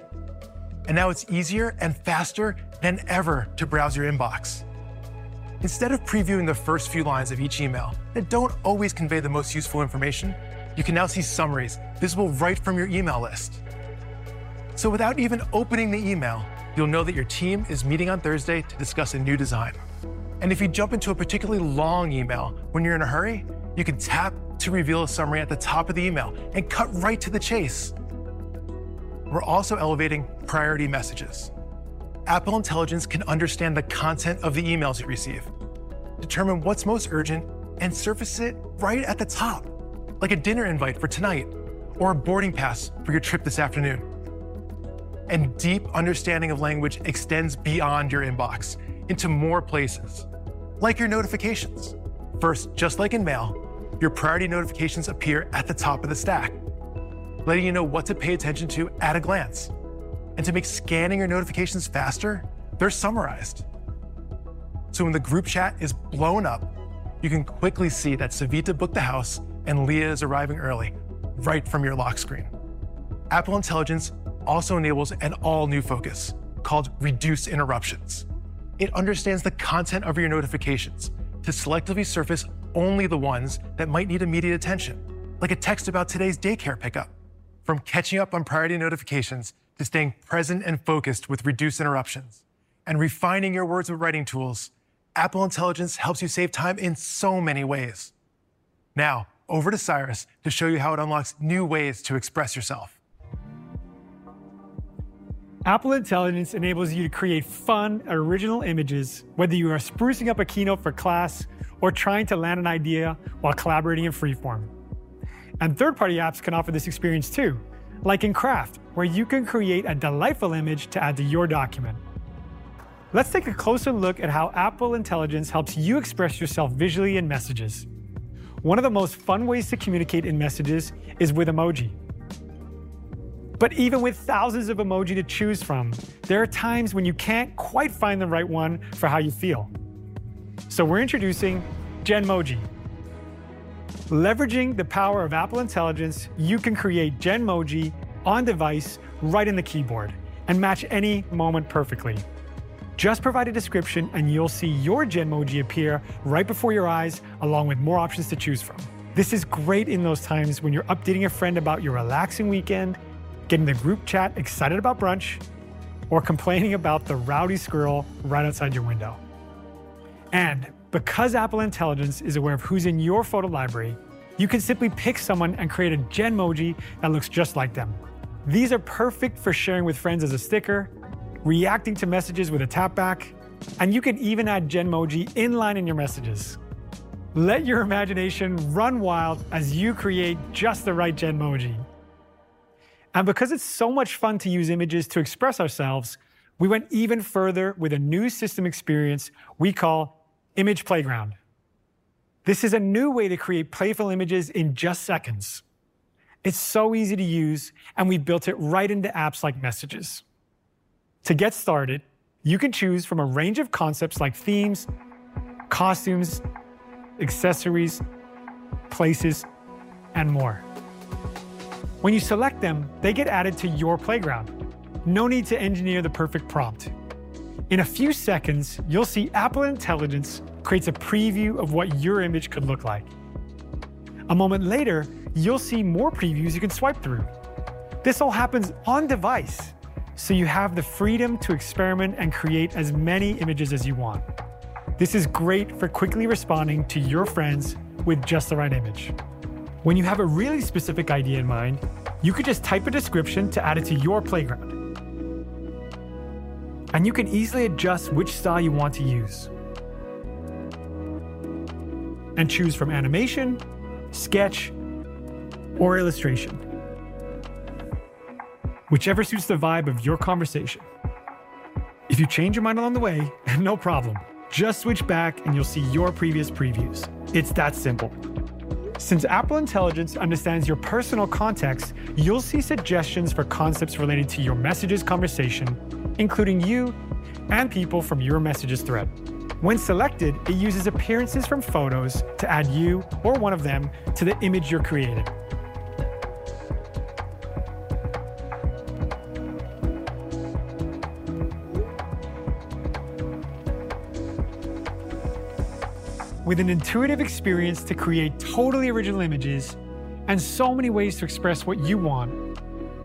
and now it's easier and faster than ever to browse your inbox. Instead of previewing the first few lines of each email, that don't always convey the most useful information, you can now see summaries visible right from your email list. So without even opening the email, you'll know that your team is meeting on Thursday to discuss a new design. And if you jump into a particularly long email when you're in a hurry, you can tap to reveal a summary at the top of the email and cut right to the chase. We're also elevating Priority Messages. Apple Intelligence can understand the content of the emails you receive, determine what's most urgent, and surface it right at the top, like a dinner invite for tonight or a boarding pass for your trip this afternoon. And deep understanding of language extends beyond your inbox into more places, like your notifications. First, just like in Mail, your Priority Notifications appear at the top of the stack, letting you know what to pay attention to at a glance. And to make scanning your notifications faster, they're summarized. So when the group chat is blown up, you can quickly see that Savita booked the house and Leah is arriving early, right from your lock screen. Apple Intelligence also enables an all-new focus, called Reduce Interruptions. It understands the content of your notifications to selectively surface only the ones that might need immediate attention, like a text about today's daycare pickup. From catching up on Priority Notifications, to staying present and focused with reduced interruptions, and refining your words with Writing Tools, Apple Intelligence helps you save time in so many ways. Now, over to Cyrus to show you how it unlocks new ways to express yourself.
Apple Intelligence enables you to create fun and original images, whether you are sprucing up a keynote for class or trying to land an idea while collaborating in Freeform. Third-party apps can offer this experience, too, like in Craft, where you can create a delightful image to add to your document. Let's take a closer look at how Apple Intelligence helps you express yourself visually in Messages. One of the most fun ways to communicate in Messages is with emoji... Even with thousands of emoji to choose from, there are times when you can't quite find the right one for how you feel. We're introducing Genmoji. Leveraging the power of Apple Intelligence, you can create Genmoji on-device, right in the keyboard, and match any moment perfectly. Just provide a description, and you'll see your Genmoji appear right before your eyes, along with more options to choose from. This is great in those times when you're updating a friend about your relaxing weekend, getting the group chat excited about brunch, or complaining about the rowdy squirrel right outside your window. And because Apple Intelligence is aware of who's in your photo library, you can simply pick someone and create a Genmoji that looks just like them. These are perfect for sharing with friends as a sticker, reacting toMessages with a Tapback, and you can even add Genmoji inline in your Messages. Let your imagination run wild as you create just the right Genmoji. And because it's so much fun to use images to express ourselves, we went even further with a new system experience we call Image Playground. This is a new way to create playful images in just seconds. It's so easy to use, and we've built it right into apps like Messages. To get started, you can choose from a range of concepts like themes, costumes, accessories, places, and more. When you select them, they get added to your playground. No need to engineer the perfect prompt. In a few seconds, you'll see Apple Intelligence creates a preview of what your image could look like. A moment later, you'll see more previews you can swipe through. This all happens on-device, so you have the freedom to experiment and create as many images as you want. This is great for quickly responding to your friends with just the right image. When you have a really specific idea in mind, you could just type a description to add it to your playground. And you can easily adjust which style you want to use, and choose from animation, sketch, or illustration, whichever suits the vibe of your conversation. If you change your mind along the way, no problem, just switch back, and you'll see your previous previews. It's that simple. Since Apple Intelligence understands your personal context, you'll see suggestions for concepts related to your Messages conversation, including you and people from your Messages thread. When selected, it uses appearances from Photos to add you or one of them to the image you're creating. With an intuitive experience to create totally original images and so many ways to express what you want,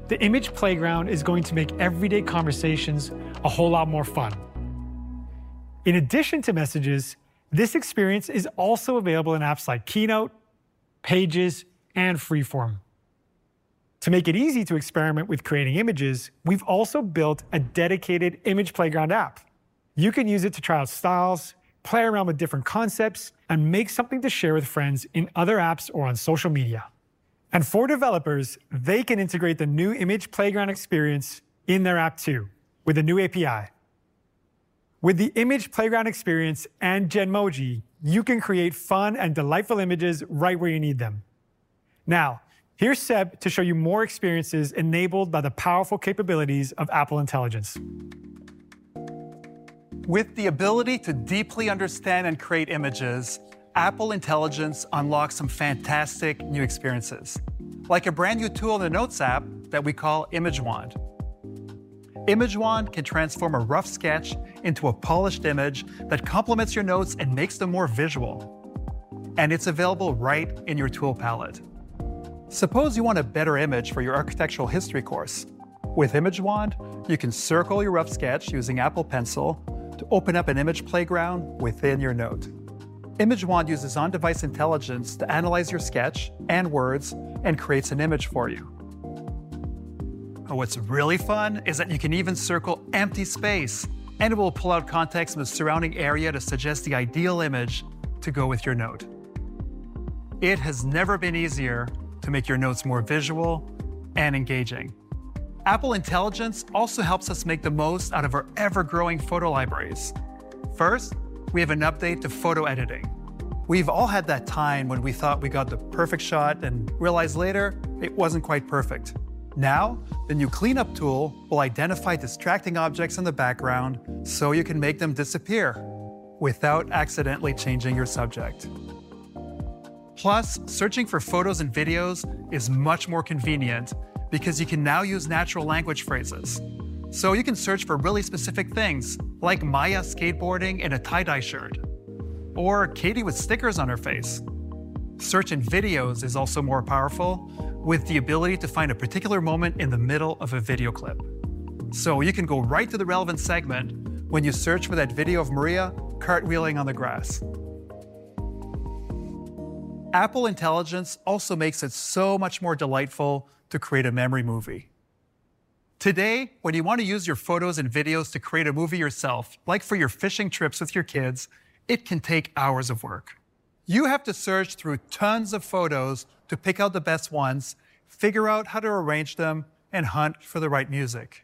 the Image Playground is going to make everyday conversations a whole lot more fun. In addition to Messages, this experience is also available in apps like Keynote, Pages, and Freeform. To make it easy to experiment with creating images, we've also built a dedicated Image Playground app. You can use it to try out styles, play around with different concepts, and make something to share with friends in other apps or on social media. And for developers, they can integrate the new Image Playground experience in their app, too, with a new API. With the Image Playground experience and Genmoji, you can create fun and delightful images right where you need them. Now, here's Seb to show you more experiences enabled by the powerful capabilities of Apple Intelligence.
With the ability to deeply understand and create images, Apple Intelligence unlocks some fantastic new experiences, like a brand-new tool in the Notes app that we call Image Wand. Image Wand can transform a rough sketch into a polished image that complements your notes and makes them more visual, and it's available right in your tool palette. Suppose you want a better image for your architectural history course. With Image Wand, you can circle your rough sketch using Apple Pencil to open up an Image Playground within your note. Image Wand uses on-device intelligence to analyze your sketch and words and creates an image for you. And what's really fun is that you can even circle empty space, and it will pull out context from the surrounding area to suggest the ideal image to go with your note. It has never been easier to make your notes more visual and engaging. Apple Intelligence also helps us make the most out of our ever-growing photo libraries. First, we have an update to photo editing. We've all had that time when we thought we got the perfect shot and realized later it wasn't quite perfect. Now, the new Clean Up tool will identify distracting objects in the background, so you can make them disappear without accidentally changing your subject. Plus, searching for Photos and videos is much more convenient because you can now use natural language phrases. So you can search for really specific things, like Maya skateboarding in a tie-dye shirt or Katie with stickers on her face. Search in videos is also more powerful, with the ability to find a particular moment in the middle of a video clip, so you can go right to the relevant segment when you search for that video of Maria cartwheeling on the grass. Apple Intelligence also makes it so much more delightful to create a Memory Movie. Today, when you want to use your Photos and videos to create a movie yourself, like for your fishing trips with your kids, it can take hours of work. You have to search through tons of Photos to pick out the best ones, figure out how to arrange them, and hunt for the right music....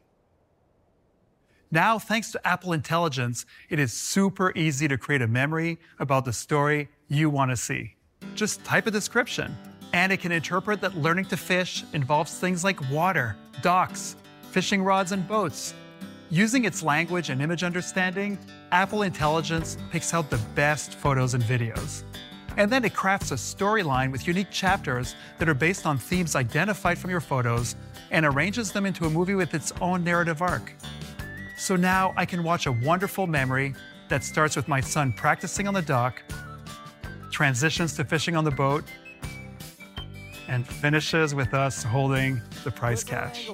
Now, thanks to Apple Intelligence, it is super easy to create a memory about the story you want to see. Just type a description, and it can interpret that learning to fish involves things like water, docks, fishing rods, and boats. Using its language and image understanding, Apple Intelligence picks out the best Photos and videos, and then it crafts a storyline with unique chapters that are based on themes identified from your Photos and arranges them into a movie with its own narrative arc. So now I can watch a wonderful memory that starts with my son practicing on the dock, transitions to fishing on the boat, and finishes with us holding the prize catch.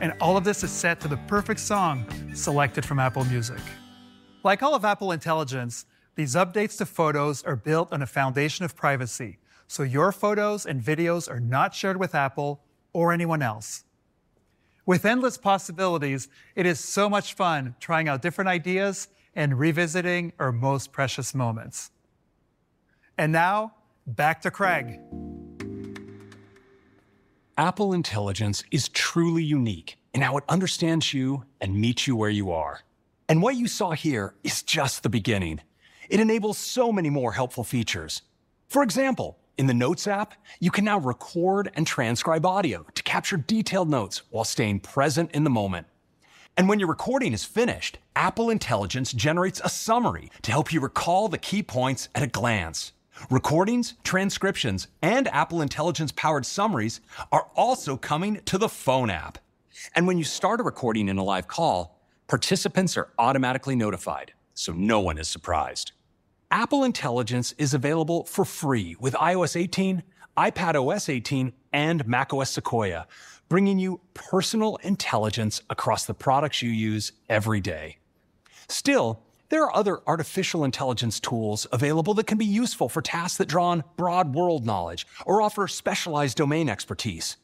We're going fishing in the-
All of this is set to the perfect song selected from Apple Music. Like all of Apple Intelligence, these Updates to Photos are built on a foundation of privacy, so your Photos and videos are not shared with Apple or anyone else. With endless possibilities, it is so much fun trying out different ideas and revisiting our most precious moments. Now, back to Craig.
Apple Intelligence is truly unique in how it understands you and meets you where you are. What you saw here is just the beginning. It enables so many more helpful features. For example, in the Notes app, you can now record and transcribe audio to capture detailed notes while staying present in the moment. When your recording is finished, Apple Intelligence generates a summary to help you recall the key points at a glance. Recordings, transcriptions, and Apple Intelligence-powered summaries are also coming to the Phone app. When you start a recording in a live call, participants are automatically notified, so no one is surprised. Apple Intelligence is available for free with iOS 18, iPadOS 18, and macOS Sequoia, bringing you personal intelligence across the products you use every day. Still, there are other artificial intelligence tools available that can be useful for tasks that draw on broad world knowledge or offer specialized domain expertise.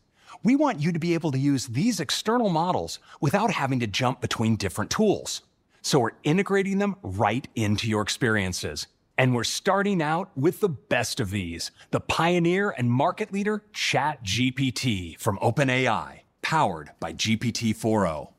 We want you to be able to use these external models without having to jump between different tools, so we're integrating them right into your experiences, and we're starting out with the best of these, the pioneer and market leader, ChatGPT from OpenAI, powered by GPT-4o.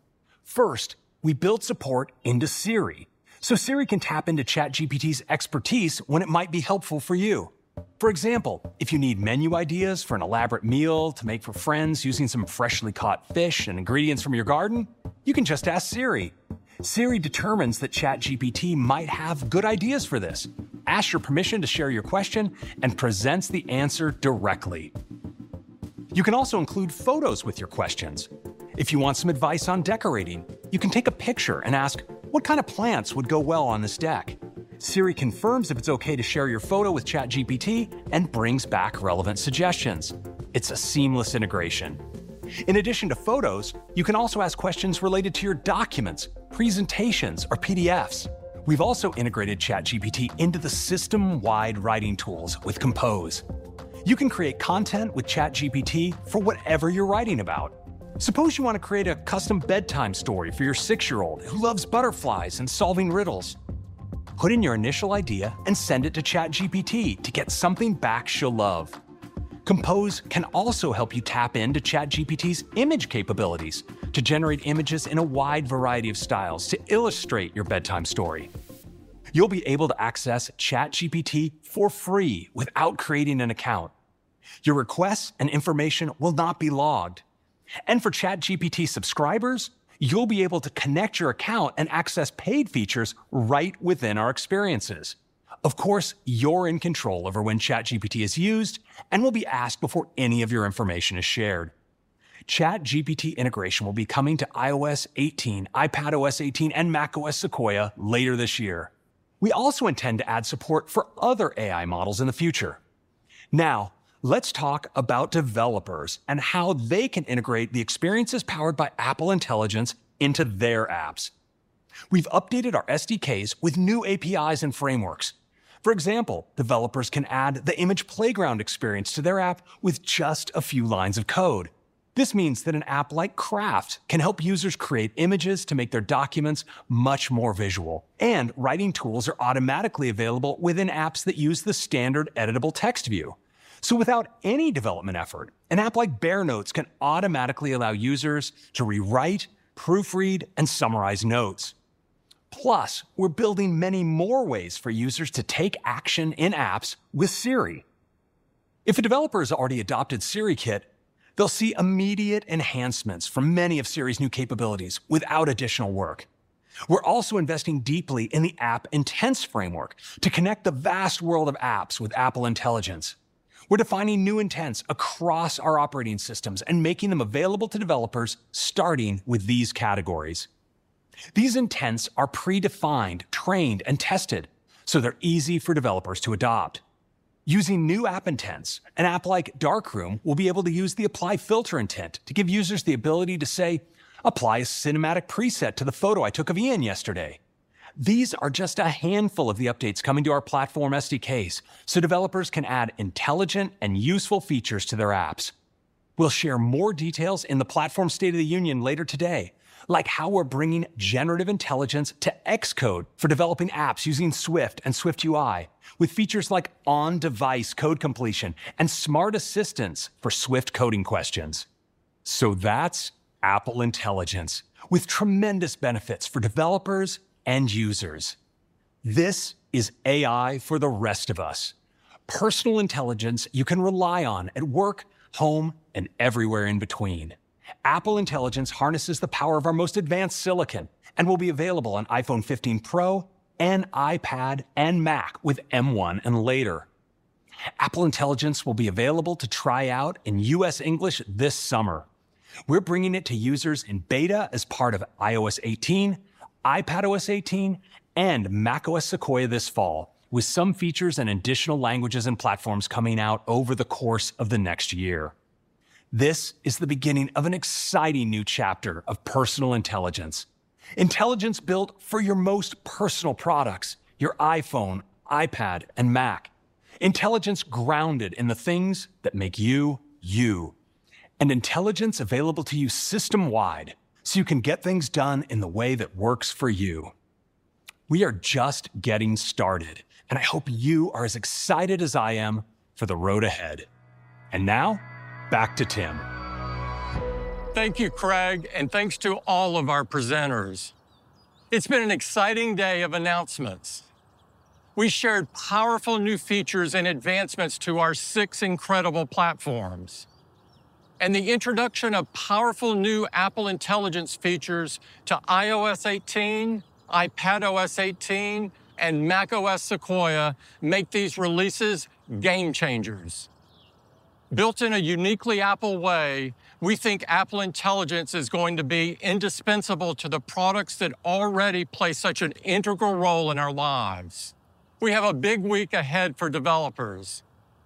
First, we built support into Siri, so Siri can tap into ChatGPT's expertise when it might be helpful for you. For example, if you need menu ideas for an elaborate meal to make for friends using some freshly caught fish and ingredients from your garden, you can just ask Siri. Siri determines that ChatGPT might have good ideas for this, asks your permission to share your question, and presents the answer directly. You can also include Photos with your questions. If you want some advice on decorating, you can take a picture and ask, "What kind of plants would go well on this deck?" Siri confirms if it's okay to share your photo with ChatGPT and brings back relevant suggestions. It's a seamless integration. In addition to Photos, you can also ask questions related to your documents, presentations, or PDFs. We've also integrated ChatGPT into the system-wide Writing Tools with Compose. You can create content with ChatGPT for whatever you're writing about. Suppose you want to create a custom bedtime story for your six-year-old, who loves butterflies and solving riddles. Put in your initial idea and send it to ChatGPT to get something back she'll love. Compose can also help you tap into ChatGPT's image capabilities to generate images in a wide variety of styles to illustrate your bedtime story. You'll be able to access ChatGPT for free without creating an account. Your requests and information will not be logged. For ChatGPT subscribers, you'll be able to connect your account and access paid features right within our experiences. Of course, you're in control over when ChatGPT is used and will be asked before any of your information is shared. ChatGPT integration will be coming to iOS 18, iPadOS 18, and macOS Sequoia later this year. We also intend to add support for other AI models in the future. Now, let's talk about developers and how they can integrate the experiences powered by Apple Intelligence into their apps. We've updated our SDKs with new APIs and frameworks. For example, developers can add the Image Playground experience to their app with just a few lines of code. This means that an app like Craft can help users create images to make their documents much more visual, and Writing Tools are automatically available within apps that use the standard editable text view. So without any development effort, an app like Bear Notes can automatically allow users to rewrite, proofread, and summarize notes. Plus, we're building many more ways for users to take action in apps with Siri. If a developer has already adopted SiriKit, they'll see immediate enhancements from many of Siri's new capabilities without additional work. We're also investing deeply in the App Intents framework to connect the vast world of apps with Apple Intelligence. We're defining new intents across our operating systems and making them available to developers, starting with these categories. These intents are predefined, trained, and tested, so they're easy for developers to adopt. Using new app intents, an app like Darkroom will be able to use the Apply Filter intent to give users the ability to say, "Apply a cinematic preset to the photo I took of Ian yesterday." These are just a handful of the Updates coming to our platform SDKs, so developers can add intelligent and useful features to their apps. We'll share more details in the Platforms State of the Union later today, like how we're bringing generative intelligence to Xcode for developing apps using Swift and SwiftUI, with features like on-device code completion and smart assistance for Swift coding questions. So that's Apple Intelligence, with tremendous benefits for developers and users.... This is AI for the rest of us. Personal intelligence you can rely on at work, home, and everywhere in between. Apple Intelligence harnesses the power of our most advanced silicon, and will be available on iPhone 15 Pro, and iPad, and Mac with M1 and later. Apple Intelligence will be available to try out in US English this summer. We're bringing it to users in beta as part of iOS 18, iPadOS 18, and macOS Sequoia this fall, with some features and additional languages and platforms coming out over the course of the next year. This is the beginning of an exciting new chapter of personal intelligence. Intelligence built for your most personal products: your iPhone, iPad, and Mac. Intelligence grounded in the things that make you, you, and intelligence available to you system-wide, so you can get things done in the way that works for you. We are just getting started, and I hope you are as excited as I am for the road ahead. Now, back to Tim.
Thank you, Craig, and thanks to all of our presenters. It's been an exciting day of announcements. We shared powerful new features and advancements to our six incredible platforms, and the introduction of powerful new Apple Intelligence features to iOS 18, iPadOS 18, and macOS Sequoia make these releases game changers. Built in a uniquely Apple way, we think Apple Intelligence is going to be indispensable to the products that already play such an integral role in our lives. We have a big week ahead for developers.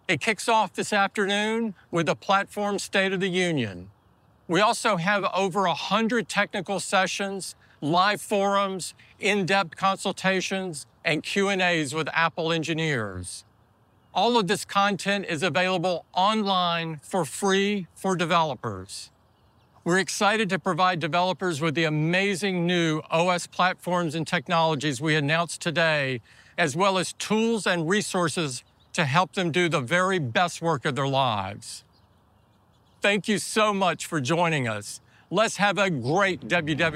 It kicks off this afternoon with a Platforms State of the Union. We also have over 100 technical sessions, live forums, in-depth consultations, and Q&As with Apple engineers. All of this content is available online for free for developers. We're excited to provide developers with the amazing new OS platforms and technologies we announced today, as well as tools and resources to help them do the very best work of their lives. Thank you so much for joining us. Let's have a great WW-